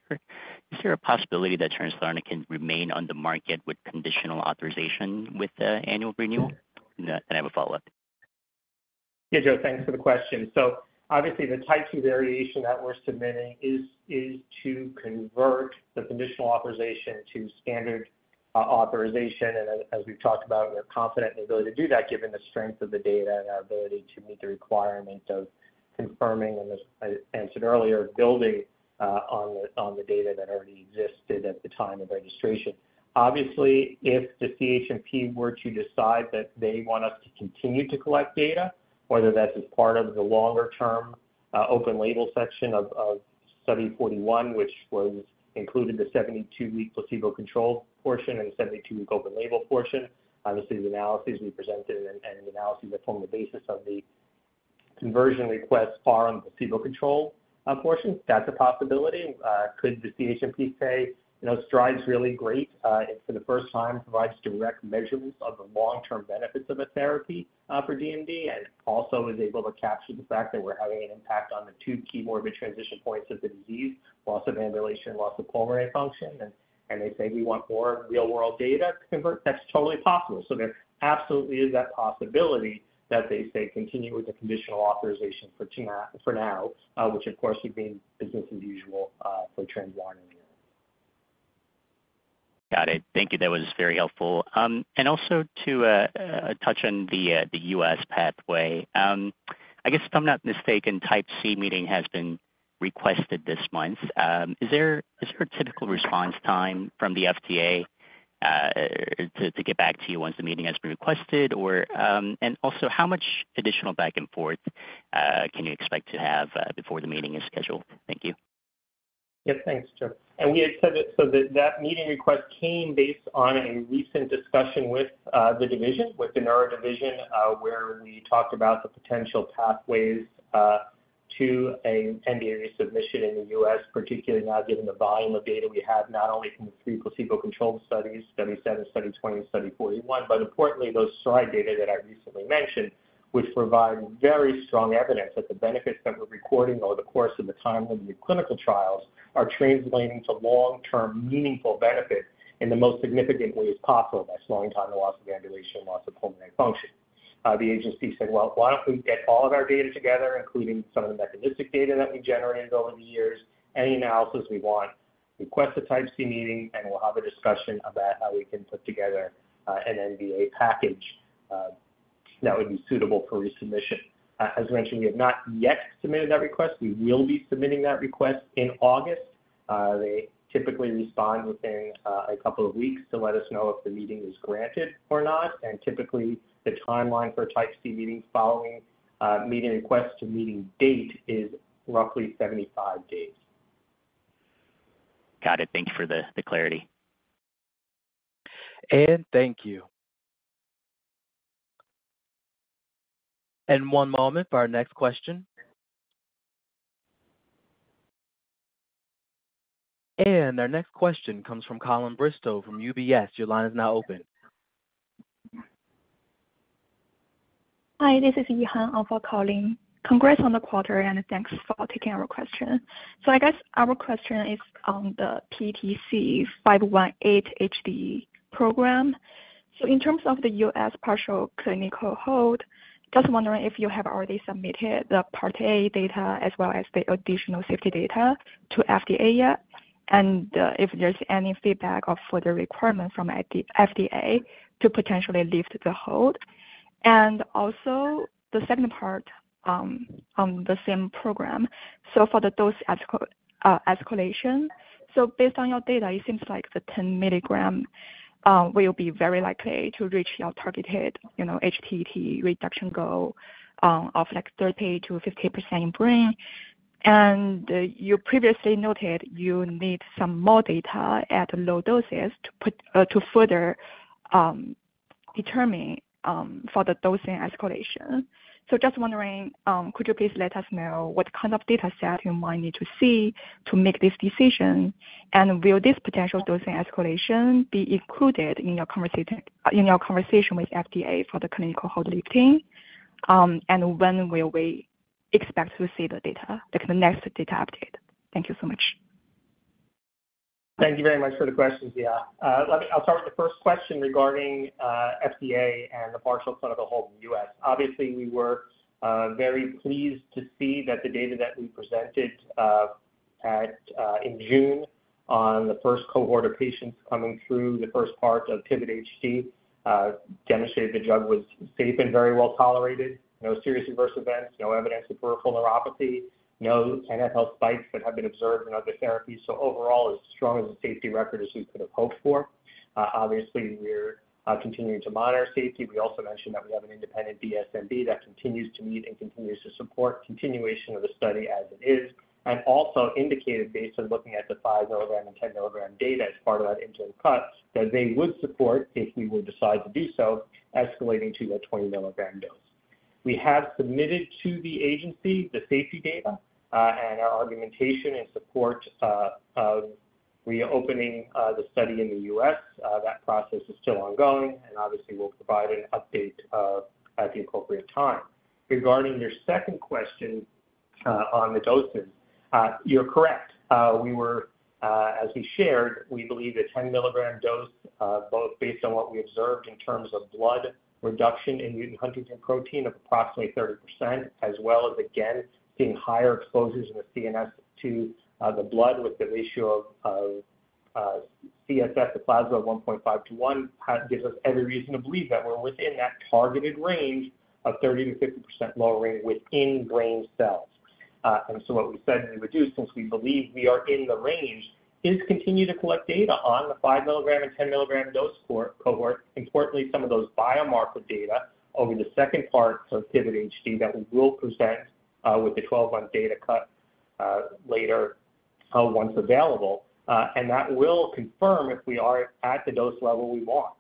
there a possibility that Translarna can remain on the market with conditional authorization with the annual renewal? And I have a follow-up. Yeah, Gena, thanks for the question. Obviously, the Type 2 variation that we're submitting is to convert the conditional authorization to standard authorization. As we've talked about, we're confident in the ability to do that, given the strength of the data and our ability to meet the requirement of confirming and as I answered earlier, building on the data that already existed at the time of registration. Obviously, if the CHMP were to decide that they want us to continue to collect data, whether that's as part of the longer-term open label section of study 41, which was included the 72-week placebo control portion and the 72-week open label portion. Obviously, the analyses we presented and the analyses that form the basis of the conversion request are on the placebo control portion. That's a possibility. Could the CHMP say, you know, STRIDE's really great, and for the first time provides direct measurements of the long-term benefits of a therapy for DMD, and also is able to capture the fact that we're having an impact on the two key morbid transition points of the disease, loss of ambulation, loss of pulmonary function. They say we want more real-world data to convert. That's totally possible. There absolutely is that possibility that they say continue with the conditional authorization for now, which of course would mean business as usual for Translarna. Got it. Thank you. That was very helpful. Also to touch on the U.S. pathway. I guess if I'm not mistaken, Type C meeting has been requested this month. Is there a typical response time from the FDA to get back to you once the meeting has been requested? And also, how much additional back and forth can you expect to have before the meeting is scheduled? Thank you. Yeah, thanks, Joe. We had said that so that, that meeting request came based on a recent discussion with the division, with the neuro division, where we talked about the potential pathways to a NDA resubmission in the U.S., particularly now, given the volume of data we have, not only from the 3 placebo-controlled studies, Study 7, Study 20, Study 41, but importantly, those slide data that I recently mentioned, which provide very strong evidence that the benefits that we're recording over the course of the time of the clinical trials are translating to long-term, meaningful benefit in the most significant ways possible, by slowing time, the loss of ambulation, loss of pulmonary function. The agency said, "Well, why don't we get all of our data together, including some of the mechanistic data that we generated over the years, any analysis we want, request a Type C meeting, and we'll have a discussion about how we can put together an NDA package that would be suitable for resubmission." As mentioned, we have not yet submitted that request. We will be submitting that request in August. They typically respond within a couple of weeks to let us know if the meeting is granted or not, and typically the timeline for Type C meetings following meeting requests to meeting date is roughly 75 days. Got it. Thank you for the, the clarity. Thank you. One moment for our next question. Our next question comes from Colin Bristow, from UBS. Your line is now open. Hi, this is Yihan Li calling. Congrats on the quarter, and thanks for taking our question. I guess our question is on the PTC 518 HD program. In terms of the U.S. partial clinical hold, just wondering if you have already submitted the Part A data as well as the additional safety data to FDA yet, if there's any feedback or further requirement from FDA to potentially lift the hold? Also the second part on the same program. For the dose escalation, based on your data, it seems like the 10 milligram will be very likely to reach your targeted, you know, HTT reduction goal of like 30%-50% in brain. You previously noted you need some more data at low doses to put to further determine for the dosing escalation. Just wondering, could you please let us know what kind of data set you might need to see to make this decision? Will this potential dosing escalation be included in your conversation with FDA for the clinical hold lifting? When will we expect to see the data, like, the next data update? Thank you so much. Thank you very much for the questions, yeah. I'll start with the first question regarding FDA and the partial clinical hold in the US. Obviously, we were very pleased to see that the data that we presented at in June on the first cohort of patients coming through the first part of PIVOT-HD, demonstrated the drug was safe and very well tolerated. No serious adverse events, no evidence of peripheral neuropathy, no NFL spikes that have been observed in other therapies. Overall, as strong as a safety record as we could have hoped for. Obviously, we're continuing to monitor safety. We also mentioned that we have an independent DSMB that continues to meet and continues to support continuation of the study as it is, and also indicated, based on looking at the 5 milligram and 10 milligram data as part of that interim cut, that they would support, if we would decide to do so, escalating to a 20 milligram dose. We have submitted to the agency the safety data, and our argumentation and support, of reopening, the study in the U.S. That process is still ongoing and obviously we'll provide an update, at the appropriate time. Regarding your second question, on the dosing. You're correct. We were, as we shared, we believe the 10 milligram dose, both based on what we observed in terms of blood reduction in mutant huntingtin protein of approximately 30%, as well as again, seeing higher exposures in the CNS to the blood with the ratio of CSF to plasma of 1.5 to 1, gives us every reason to believe that we're within that targeted range of 30%-50% lowering within brain cells. So what we said we would do, since we believe we are in the range, is continue to collect data on the 5 milligram and 10 milligram dose cohort. Importantly, some of those biomarker data over the second part of PIVOT-HD that we will present with the 12-month data cut, later, once available. That will confirm if we are at the dose level we want.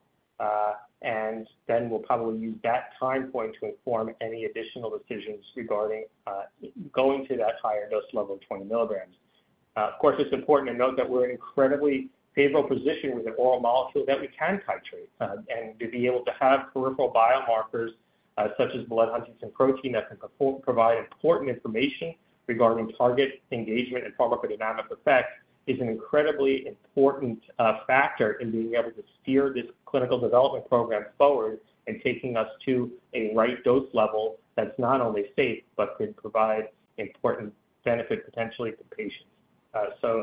Then we'll probably use that time point to inform any additional decisions regarding going to that higher dose level of 20 milligrams. Of course, it's important to note that we're in incredibly favorable position with an oral molecule that we can titrate, and to be able to have peripheral biomarkers, such as blood huntingtin protein, that can provide important information regarding target engagement and pharmacodynamic effect, is an incredibly important factor in being able to steer this clinical development program forward and taking us to a right dose level that's not only safe, but could provide important benefit potentially to patients.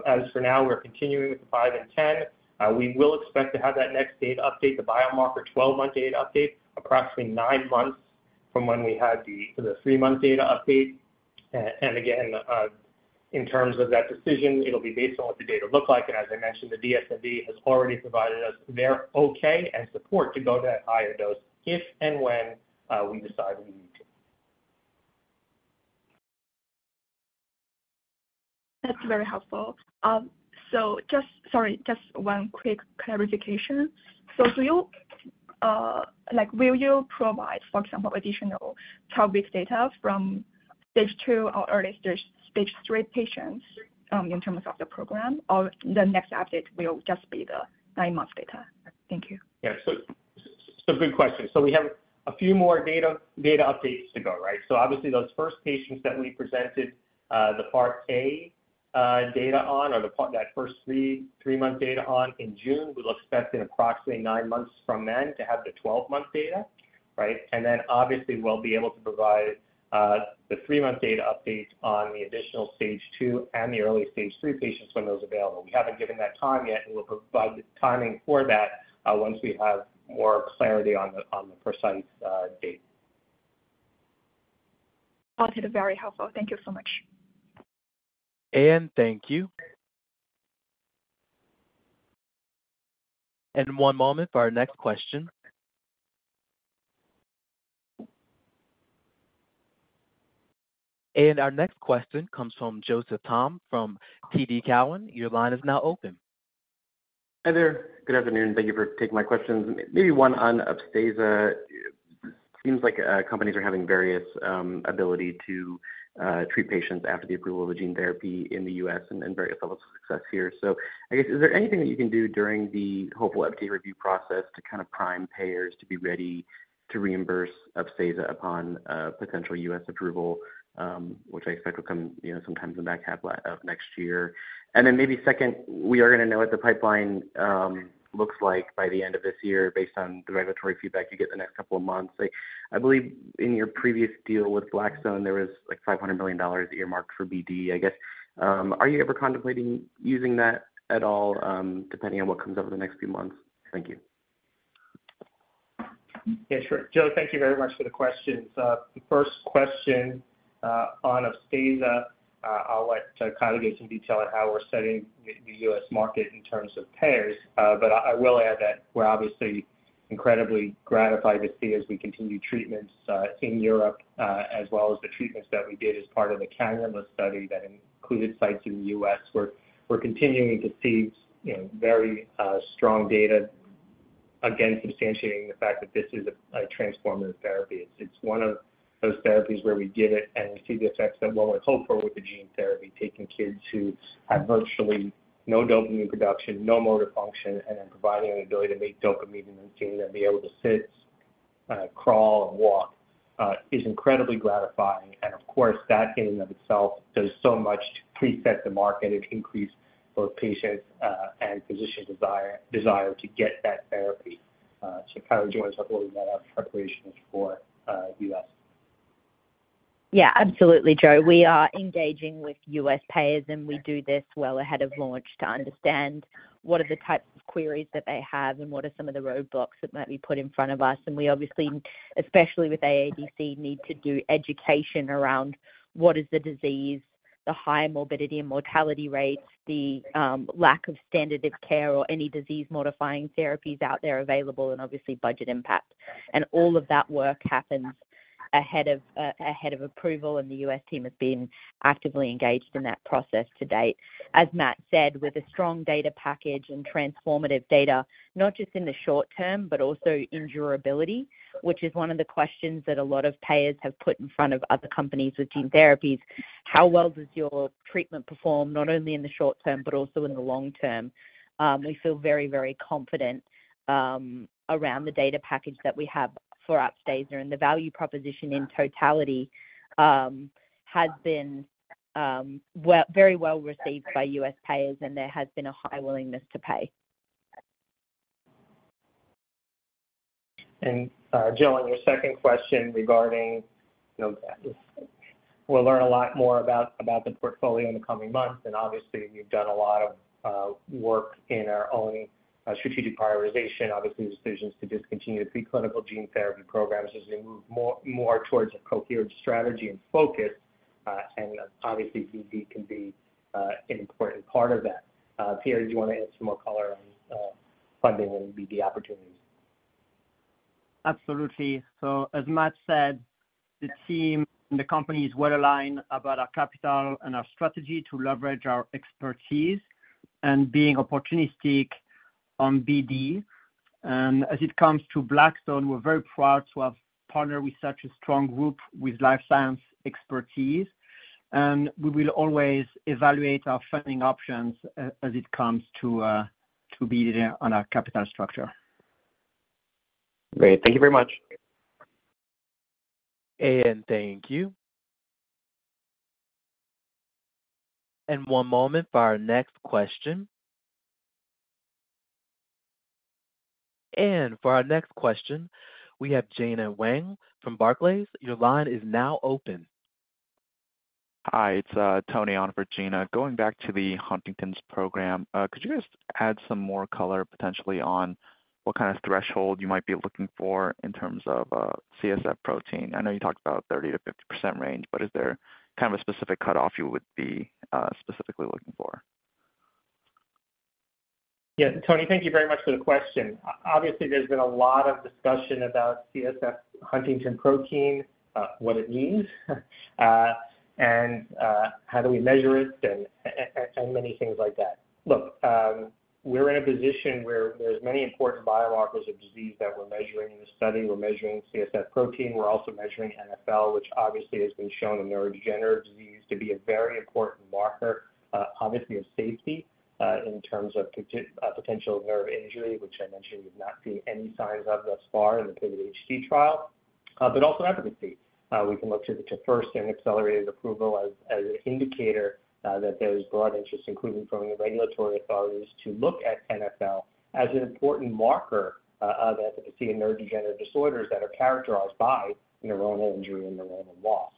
As for now, we're continuing with the 5 and 10. We will expect to have that next data update, the biomarker 12-month data update, approximately nine months from when we had the, the three-month data update. Again, in terms of that decision, it'll be based on what the data look like. As I mentioned, the DSMB has already provided us their okay and support to go to that higher dose if and when we decide we need to. That's very helpful. just... Sorry, just one quick clarification. will, like, will you provide, for example, additional topline data from stage 2 or early stage 3 patients in terms of the program? Or the next update will just be the 9-month data. Thank you. Yeah. Good question. We have a few more data, data updates to go, right? Obviously, those first patients that we presented, the Part A, data on, or that first 3, 3-month data on in June, we'll expect in approximately 9 months from then to have the 12-month data, right? Then obviously, we'll be able to provide the 3-month data update on the additional stage 2 and the early stage 3 patients when those are available. We haven't given that time yet, and we'll provide the timing for that once we have more clarity on the, on the precise date. Got it. Very helpful. Thank you so much. Thank you. One moment for our next question. Our next question comes from Joseph Thome from TD Cowen. Your line is now open. Hi there. Good afternoon. Thank you for taking my questions. Maybe one on Upstaza. Seems like companies are having various ability to treat patients after the approval of the gene therapy in the U.S. and various levels of success here. I guess, is there anything that you can do during the hopeful FDA review process to kind of prime payers to be ready to reimburse Upstaza upon a potential U.S. approval, which I expect will come, you know, sometimes in the back half of next year? Maybe second, we are gonna know what the pipeline looks like by the end of this year, based on the regulatory feedback you get the next couple of months. Like, I believe in your previous deal with Blackstone, there was, like, $500 million earmarked for BD, I guess. Are you ever contemplating using that at all, depending on what comes over the next few months? Thank you. Yeah, sure. Joe, thank you very much for the questions. The first question on Upstaza, I'll let Kyle give some detail on how we're setting the, the U.S. market in terms of payers. I, I will add that we're obviously incredibly gratified to see as we continue treatments in Europe, as well as the treatments that we did as part of the Calyma study that included sites in the U.S., we're, we're continuing to see, you know, very strong data, again, substantiating the fact that this is a, a transformative therapy. It's one of those therapies where we give it and we see the effects that what we hope for with the gene therapy, taking kids who have virtually no dopamine production, no motor function, and then providing an ability to make dopamine and seeing them be able to sit, crawl and walk, is incredibly gratifying. Of course, that in of itself does so much to preset the market and increase both patient and physician desire, desire to get that therapy. Kylie, do you want to talk a little about our preparations for U.S.? Yeah, absolutely, Joe. We are engaging with U.S. payers, and we do this well ahead of launch to understand what are the types of queries that they have and what are some of the roadblocks that might be put in front of us. We obviously, especially with AADC, need to do education around what is the disease, the high morbidity and mortality rates, the lack of standard of care or any disease-modifying therapies out there available, and obviously budget impact. All of that work happens ahead of ahead of approval, and the U.S. team has been actively engaged in that process to date. As Matt said, with a strong data package and transformative data, not just in the short term, but also endurability, which is one of the questions that a lot of payers have put in front of other companies with gene therapies. How well does your treatment perform, not only in the short term, but also in the long term? We feel very, very confident around the data package that we have for Upstaza, and the value proposition in totality has been very well received by U.S. payers, and there has been a high willingness to pay. Joe, on your second question regarding, you know, we'll learn a lot more about, about the portfolio in the coming months. Obviously, we've done a lot of work in our own strategic prioritization. Obviously, the decisions to discontinue the preclinical gene therapy programs as we move more, more towards a coherent strategy and focus, and obviously BD can be an important part of that. Pierre, do you want to add some more color on funding and BD opportunities? Absolutely. As Matt said, the team and the company is well aligned about our capital and our strategy to leverage our expertise and being opportunistic on BD. As it comes to Blackstone, we're very proud to have partnered with such a strong group with life science expertise, and we will always evaluate our funding options as it comes to be on our capital structure. Great. Thank you very much. Thank you. One moment for our next question. For our next question, we have Gena Wang from Barclays. Your line is now open. Hi, it's Tony on for Gena. Going back to the Huntington's program, could you just add some more color potentially on what kind of threshold you might be looking for in terms of CSF protein? I know you talked about 30%-50% range, but is there kind of a specific cutoff you would be specifically looking for? Yeah, Tony, thank you very much for the question. Obviously, there's been a lot of discussion about CSF Huntington protein, what it means, and how do we measure it and many things like that. Look, we're in a position where there's many important biomarkers of disease that we're measuring in the study. We're measuring CSF protein. We're also measuring NfL, which obviously has been shown in neurodegenerative disease to be a very important marker, obviously of safety, in terms of potential nerve injury, which I mentioned we've not seen any signs of thus far in the PIVOT-HD trial, but also efficacy. We can look to the first and accelerated approval as, as an indicator that there is broad interest, including from the regulatory authorities, to look at NfL as an important marker of efficacy in neurodegenerative disorders that are characterized by neuronal injury and neuronal loss.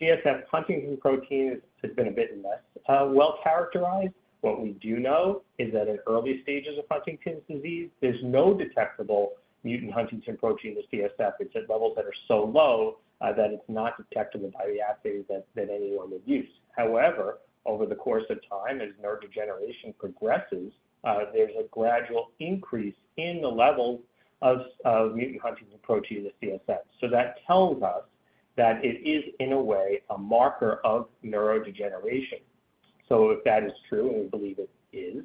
CSF huntingtin protein has, has been a bit less well characterized. What we do know is that in early stages of Huntington's disease, there's no detectable mutant huntingtin protein in the CSF. It's at levels that are so low that it's not detectable by the assays that, that anyone would use. However, over the course of time, as neurodegeneration progresses, there's a gradual increase in the levels of, of mutant huntingtin protein in the CSF. That tells us that it is, in a way, a marker of neurodegeneration. If that is true, and we believe it is,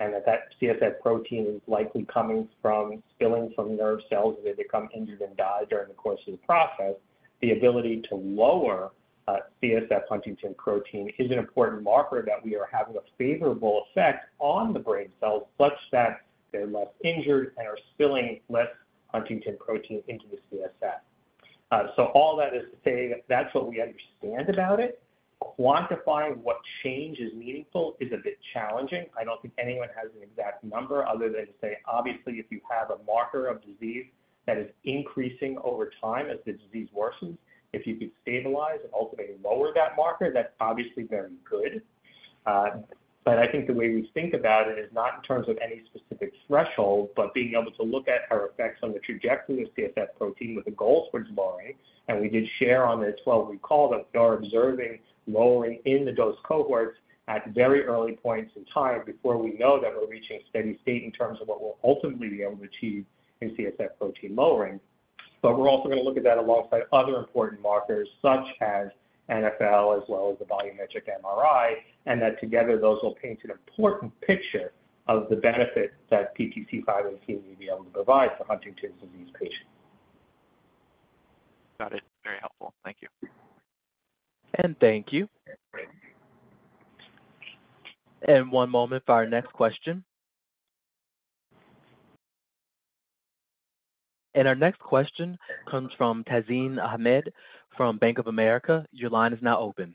and that that CSF protein is likely coming from spilling from nerve cells, as they become injured and die during the course of the process, the ability to lower, CSF Huntington protein is an important marker that we are having a favorable effect on the brain cells, such that they're less injured and are spilling less Huntington protein into the CSF. All that is to say that that's what we understand about it. Quantifying what change is meaningful is a bit challenging. I don't think anyone has an exact number other than to say, obviously, if you have a marker of disease that is increasing over time as the disease worsens, if you could stabilize and ultimately lower that marker, that's obviously very good. I think the way we think about it is not in terms of any specific threshold, being able to look at our effects on the trajectory of CSF protein with a goal towards lowering. We did share on the 12 recall that we are observing lowering in the dose cohorts at very early points in time before we know that we're reaching a steady state in terms of what we'll ultimately be able to achieve in CSF protein lowering. We're also going to look at that alongside other important markers such as NFL, as well as the volumetric MRI, and that together, those will paint an important picture of the benefit that PTC518 will be able to provide for Huntington's disease patients. Got it. Very helpful. Thank you. Thank you. One moment for our next question. Our next question comes from Tazeen Ahmad from Bank of America. Your line is now open.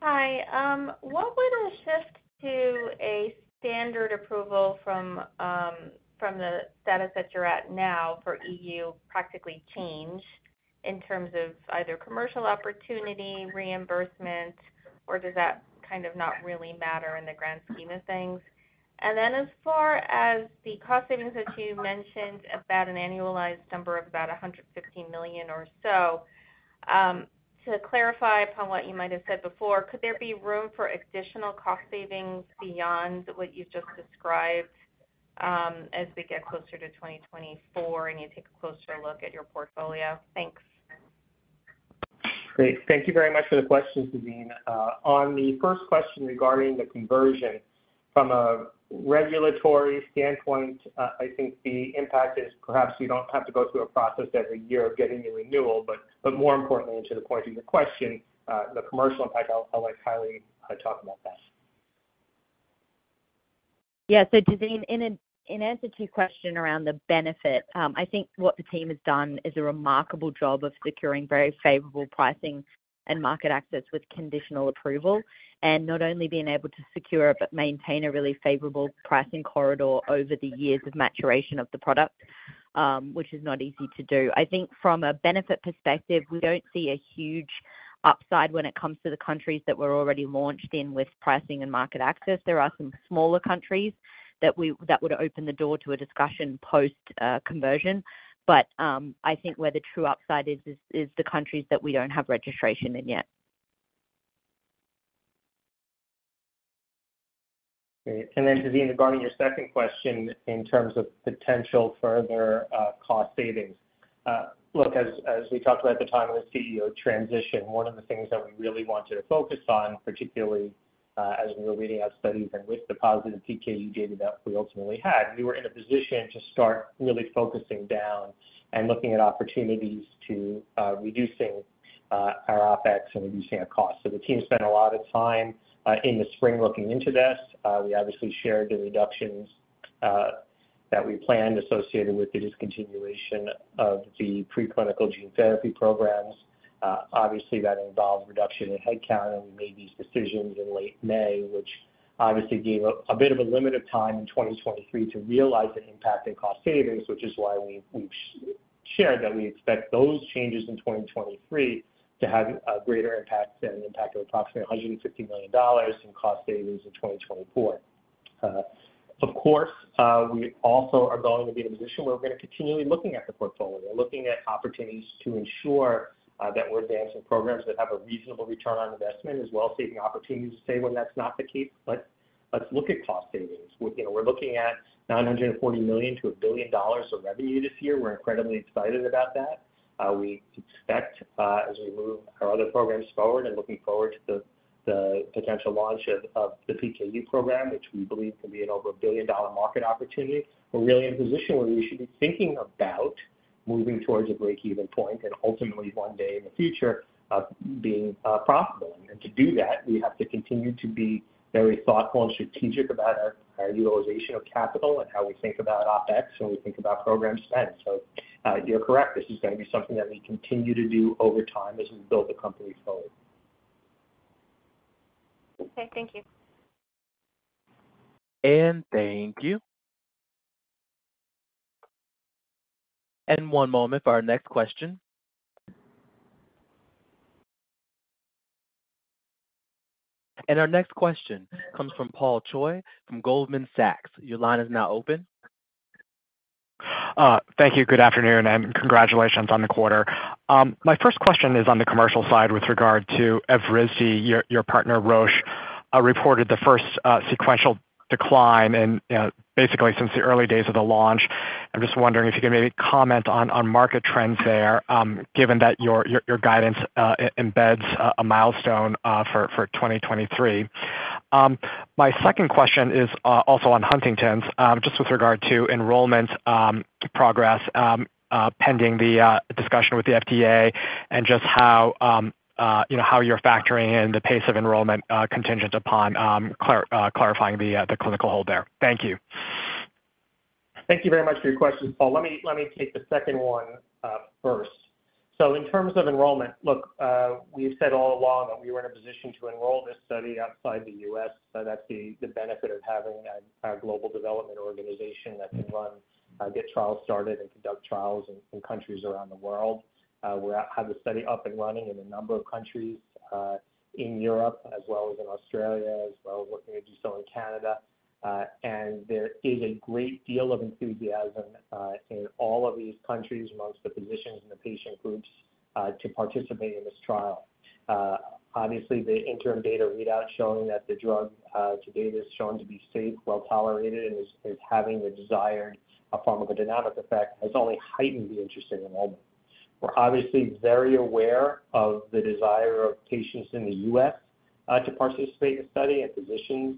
Hi, what would a shift to a standard approval from, from the status that you're at now for EU practically change in terms of either commercial opportunity, reimbursement, or does that kind of not really matter in the grand scheme of things? As far as the cost savings that you mentioned, about an annualized number of about $115 million or so, to clarify upon what you might have said before, could there be room for additional cost savings beyond what you've just described, as we get closer to 2024 and you take a closer look at your portfolio? Thanks. Great. Thank you very much for the question, Tazeen. On the first question regarding the conversion from a regulatory standpoint, I think the impact is perhaps you don't have to go through a process every year of getting a renewal. More importantly, to the point of your question, the commercial impact, I'll let Kylie talk about that. Tazeen, in a, in answer to your question around the benefit, I think what the team has done is a remarkable job of securing very favorable pricing and market access with conditional approval, and not only being able to secure it, but maintain a really favorable pricing corridor over the years of maturation of the product, which is not easy to do. I think from a benefit perspective, we don't see a huge upside when it comes to the countries that we're already launched in with pricing and market access. There are some smaller countries that would open the door to a discussion post, conversion, but, I think where the true upside is, is the countries that we don't have registration in yet. Great. Then, Tazeen, regarding your second question in terms of potential further cost savings. Look, as, as we talked about at the time of the CEO transition, one of the things that we really wanted to focus on, particularly as we were reading out studies and with the positive PKU data that we ultimately had, we were in a position to start really focusing down and looking at opportunities to reducing our OpEx and reducing our costs. The team spent a lot of time in the spring looking into this. We obviously shared the reductions that we planned associated with the discontinuation of the preclinical gene therapy programs. Obviously, that involved reduction in headcount, and we made these decisions in late May, which obviously gave a bit of a limited time in 2023 to realize an impact in cost savings, which is why we shared that we expect those changes in 2023 to have a greater impact than an impact of approximately $150 million in cost savings in 2024. Of course, we also are going to be in a position where we're going to continually looking at the portfolio. We're looking at opportunities to ensure that we're advancing programs that have a reasonable return on investment, as well as seeking opportunities to save when that's not the case. Let's look at cost savings. We're, you know, we're looking at $940 million-$1 billion of revenue this year. We're incredibly excited about that. We expect as we move our other programs forward and looking forward to the potential launch of the PKU program, which we believe can be an over a $1 billion-dollar market opportunity. We're really in a position where we should be thinking about moving towards a breakeven point and ultimately one day in the future, of being profitable. To do that, we have to continue to be very thoughtful and strategic about our utilization of capital and how we think about OpEx, and we think about program spend. You're correct. This is going to be something that we continue to do over time as we build the company forward. Okay, thank you. Thank you. One moment for our next question. Our next question comes from Paul Choi from Goldman Sachs. Your line is now open. Thank you. Good afternoon, and congratulations on the quarter. My first question is on the commercial side with regard to Evrysdi, your, your partner, Roche, reported the first sequential decline in, you know, basically since the early days of the launch. I'm just wondering if you could maybe comment on, on market trends there, given that your, your, your guidance embeds a milestone for 2023. My second question is also on Huntington's, just with regard to enrollment progress, pending the discussion with the FDA and just how, you know, how you're factoring in the pace of enrollment, contingent upon clarifying the clinical hold there. Thank you.... Thank you very much for your question, Paul. Let me, let me take the second one, first. In terms of enrollment, look, we've said all along that we were in a position to enroll this study outside the U.S. That's the, the benefit of having a, a global development organization that can run, get trials started and conduct trials in countries around the world. We're have the study up and running in a number of countries, in Europe as well as in Australia, as well as working to do so in Canada. There is a great deal of enthusiasm in all of these countries amongst the physicians and the patient groups to participate in this trial. Obviously, the interim data readout showing that the drug, to date, is shown to be safe, well tolerated, and is having the desired pharmacodynamic effect, has only heightened the interest in enrollment. We're obviously very aware of the desire of patients in the U.S. to participate in the study and physicians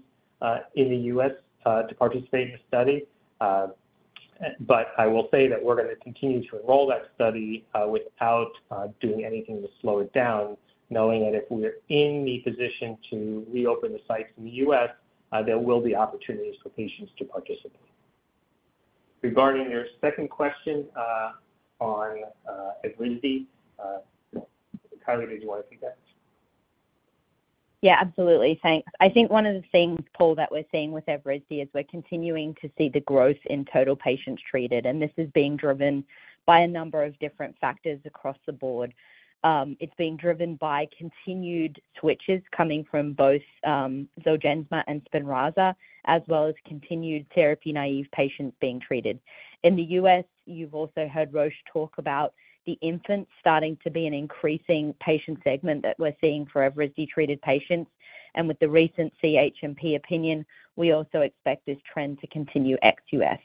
in the U.S. to participate in the study. I will say that we're gonna continue to enroll that study without doing anything to slow it down, knowing that if we're in the position to reopen the sites in the U.S., there will be opportunities for patients to participate. Regarding your second question, on Evrysdi, Kylie, did you want to take that? Yeah, absolutely. Thanks. I think one of the things, Paul, that we're seeing with Evrysdi is we're continuing to see the growth in total patients treated, and this is being driven by a number of different factors across the board. It's being driven by continued switches coming from both, Zolgensma and Spinraza, as well as continued therapy-naive patients being treated. In the U.S., you've also heard Roche talk about the infants starting to be an increasing patient segment that we're seeing for Evrysdi-treated patients, and with the recent CHMP opinion, we also expect this trend to continue ex-U.S.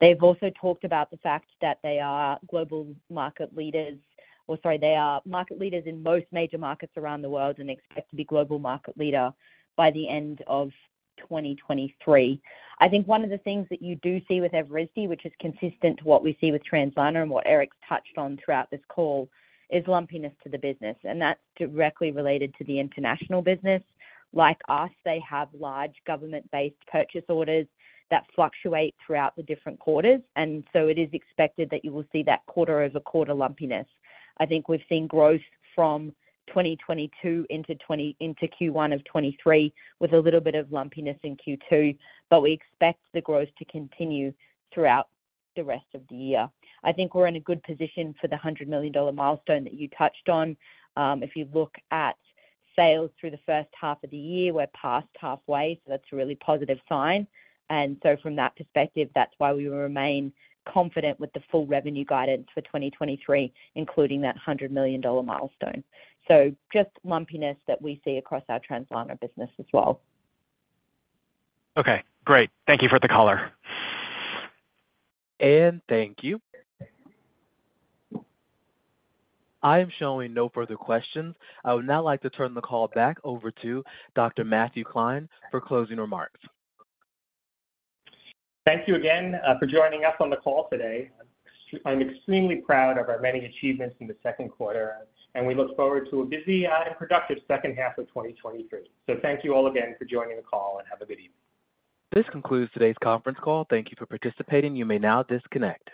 They've also talked about the fact that they are global market leaders, or sorry, they are market leaders in most major markets around the world, and expect to be global market leader by the end of 2023. I think one of the things that you do see with Evrysdi, which is consistent to what we see with Translarna and what Eric's touched on throughout this call, is lumpiness to the business, and that's directly related to the international business. Like us, they have large government-based purchase orders that fluctuate throughout the different quarters, and so it is expected that you will see that quarter-over-quarter lumpiness. I think we've seen growth from 2022 into Q1 of 2023, with a little bit of lumpiness in Q2, but we expect the growth to continue throughout the rest of the year. I think we're in a good position for the $100 million milestone that you touched on. If you look at sales through the first half of the year, we're past halfway, so that's a really positive sign. From that perspective, that's why we remain confident with the full revenue guidance for 2023, including that $100 million milestone. Just lumpiness that we see across our Translarna business as well. Okay, great. Thank you for the color. Thank you. I am showing no further questions. I would now like to turn the call back over to Dr. Matthew Klein for closing remarks. Thank you again for joining us on the call today. I'm extremely proud of our many achievements in the second quarter. We look forward to a busy and productive second half of 2023. Thank you all again for joining the call, and have a good evening. This concludes today's conference call. Thank you for participating. You may now disconnect.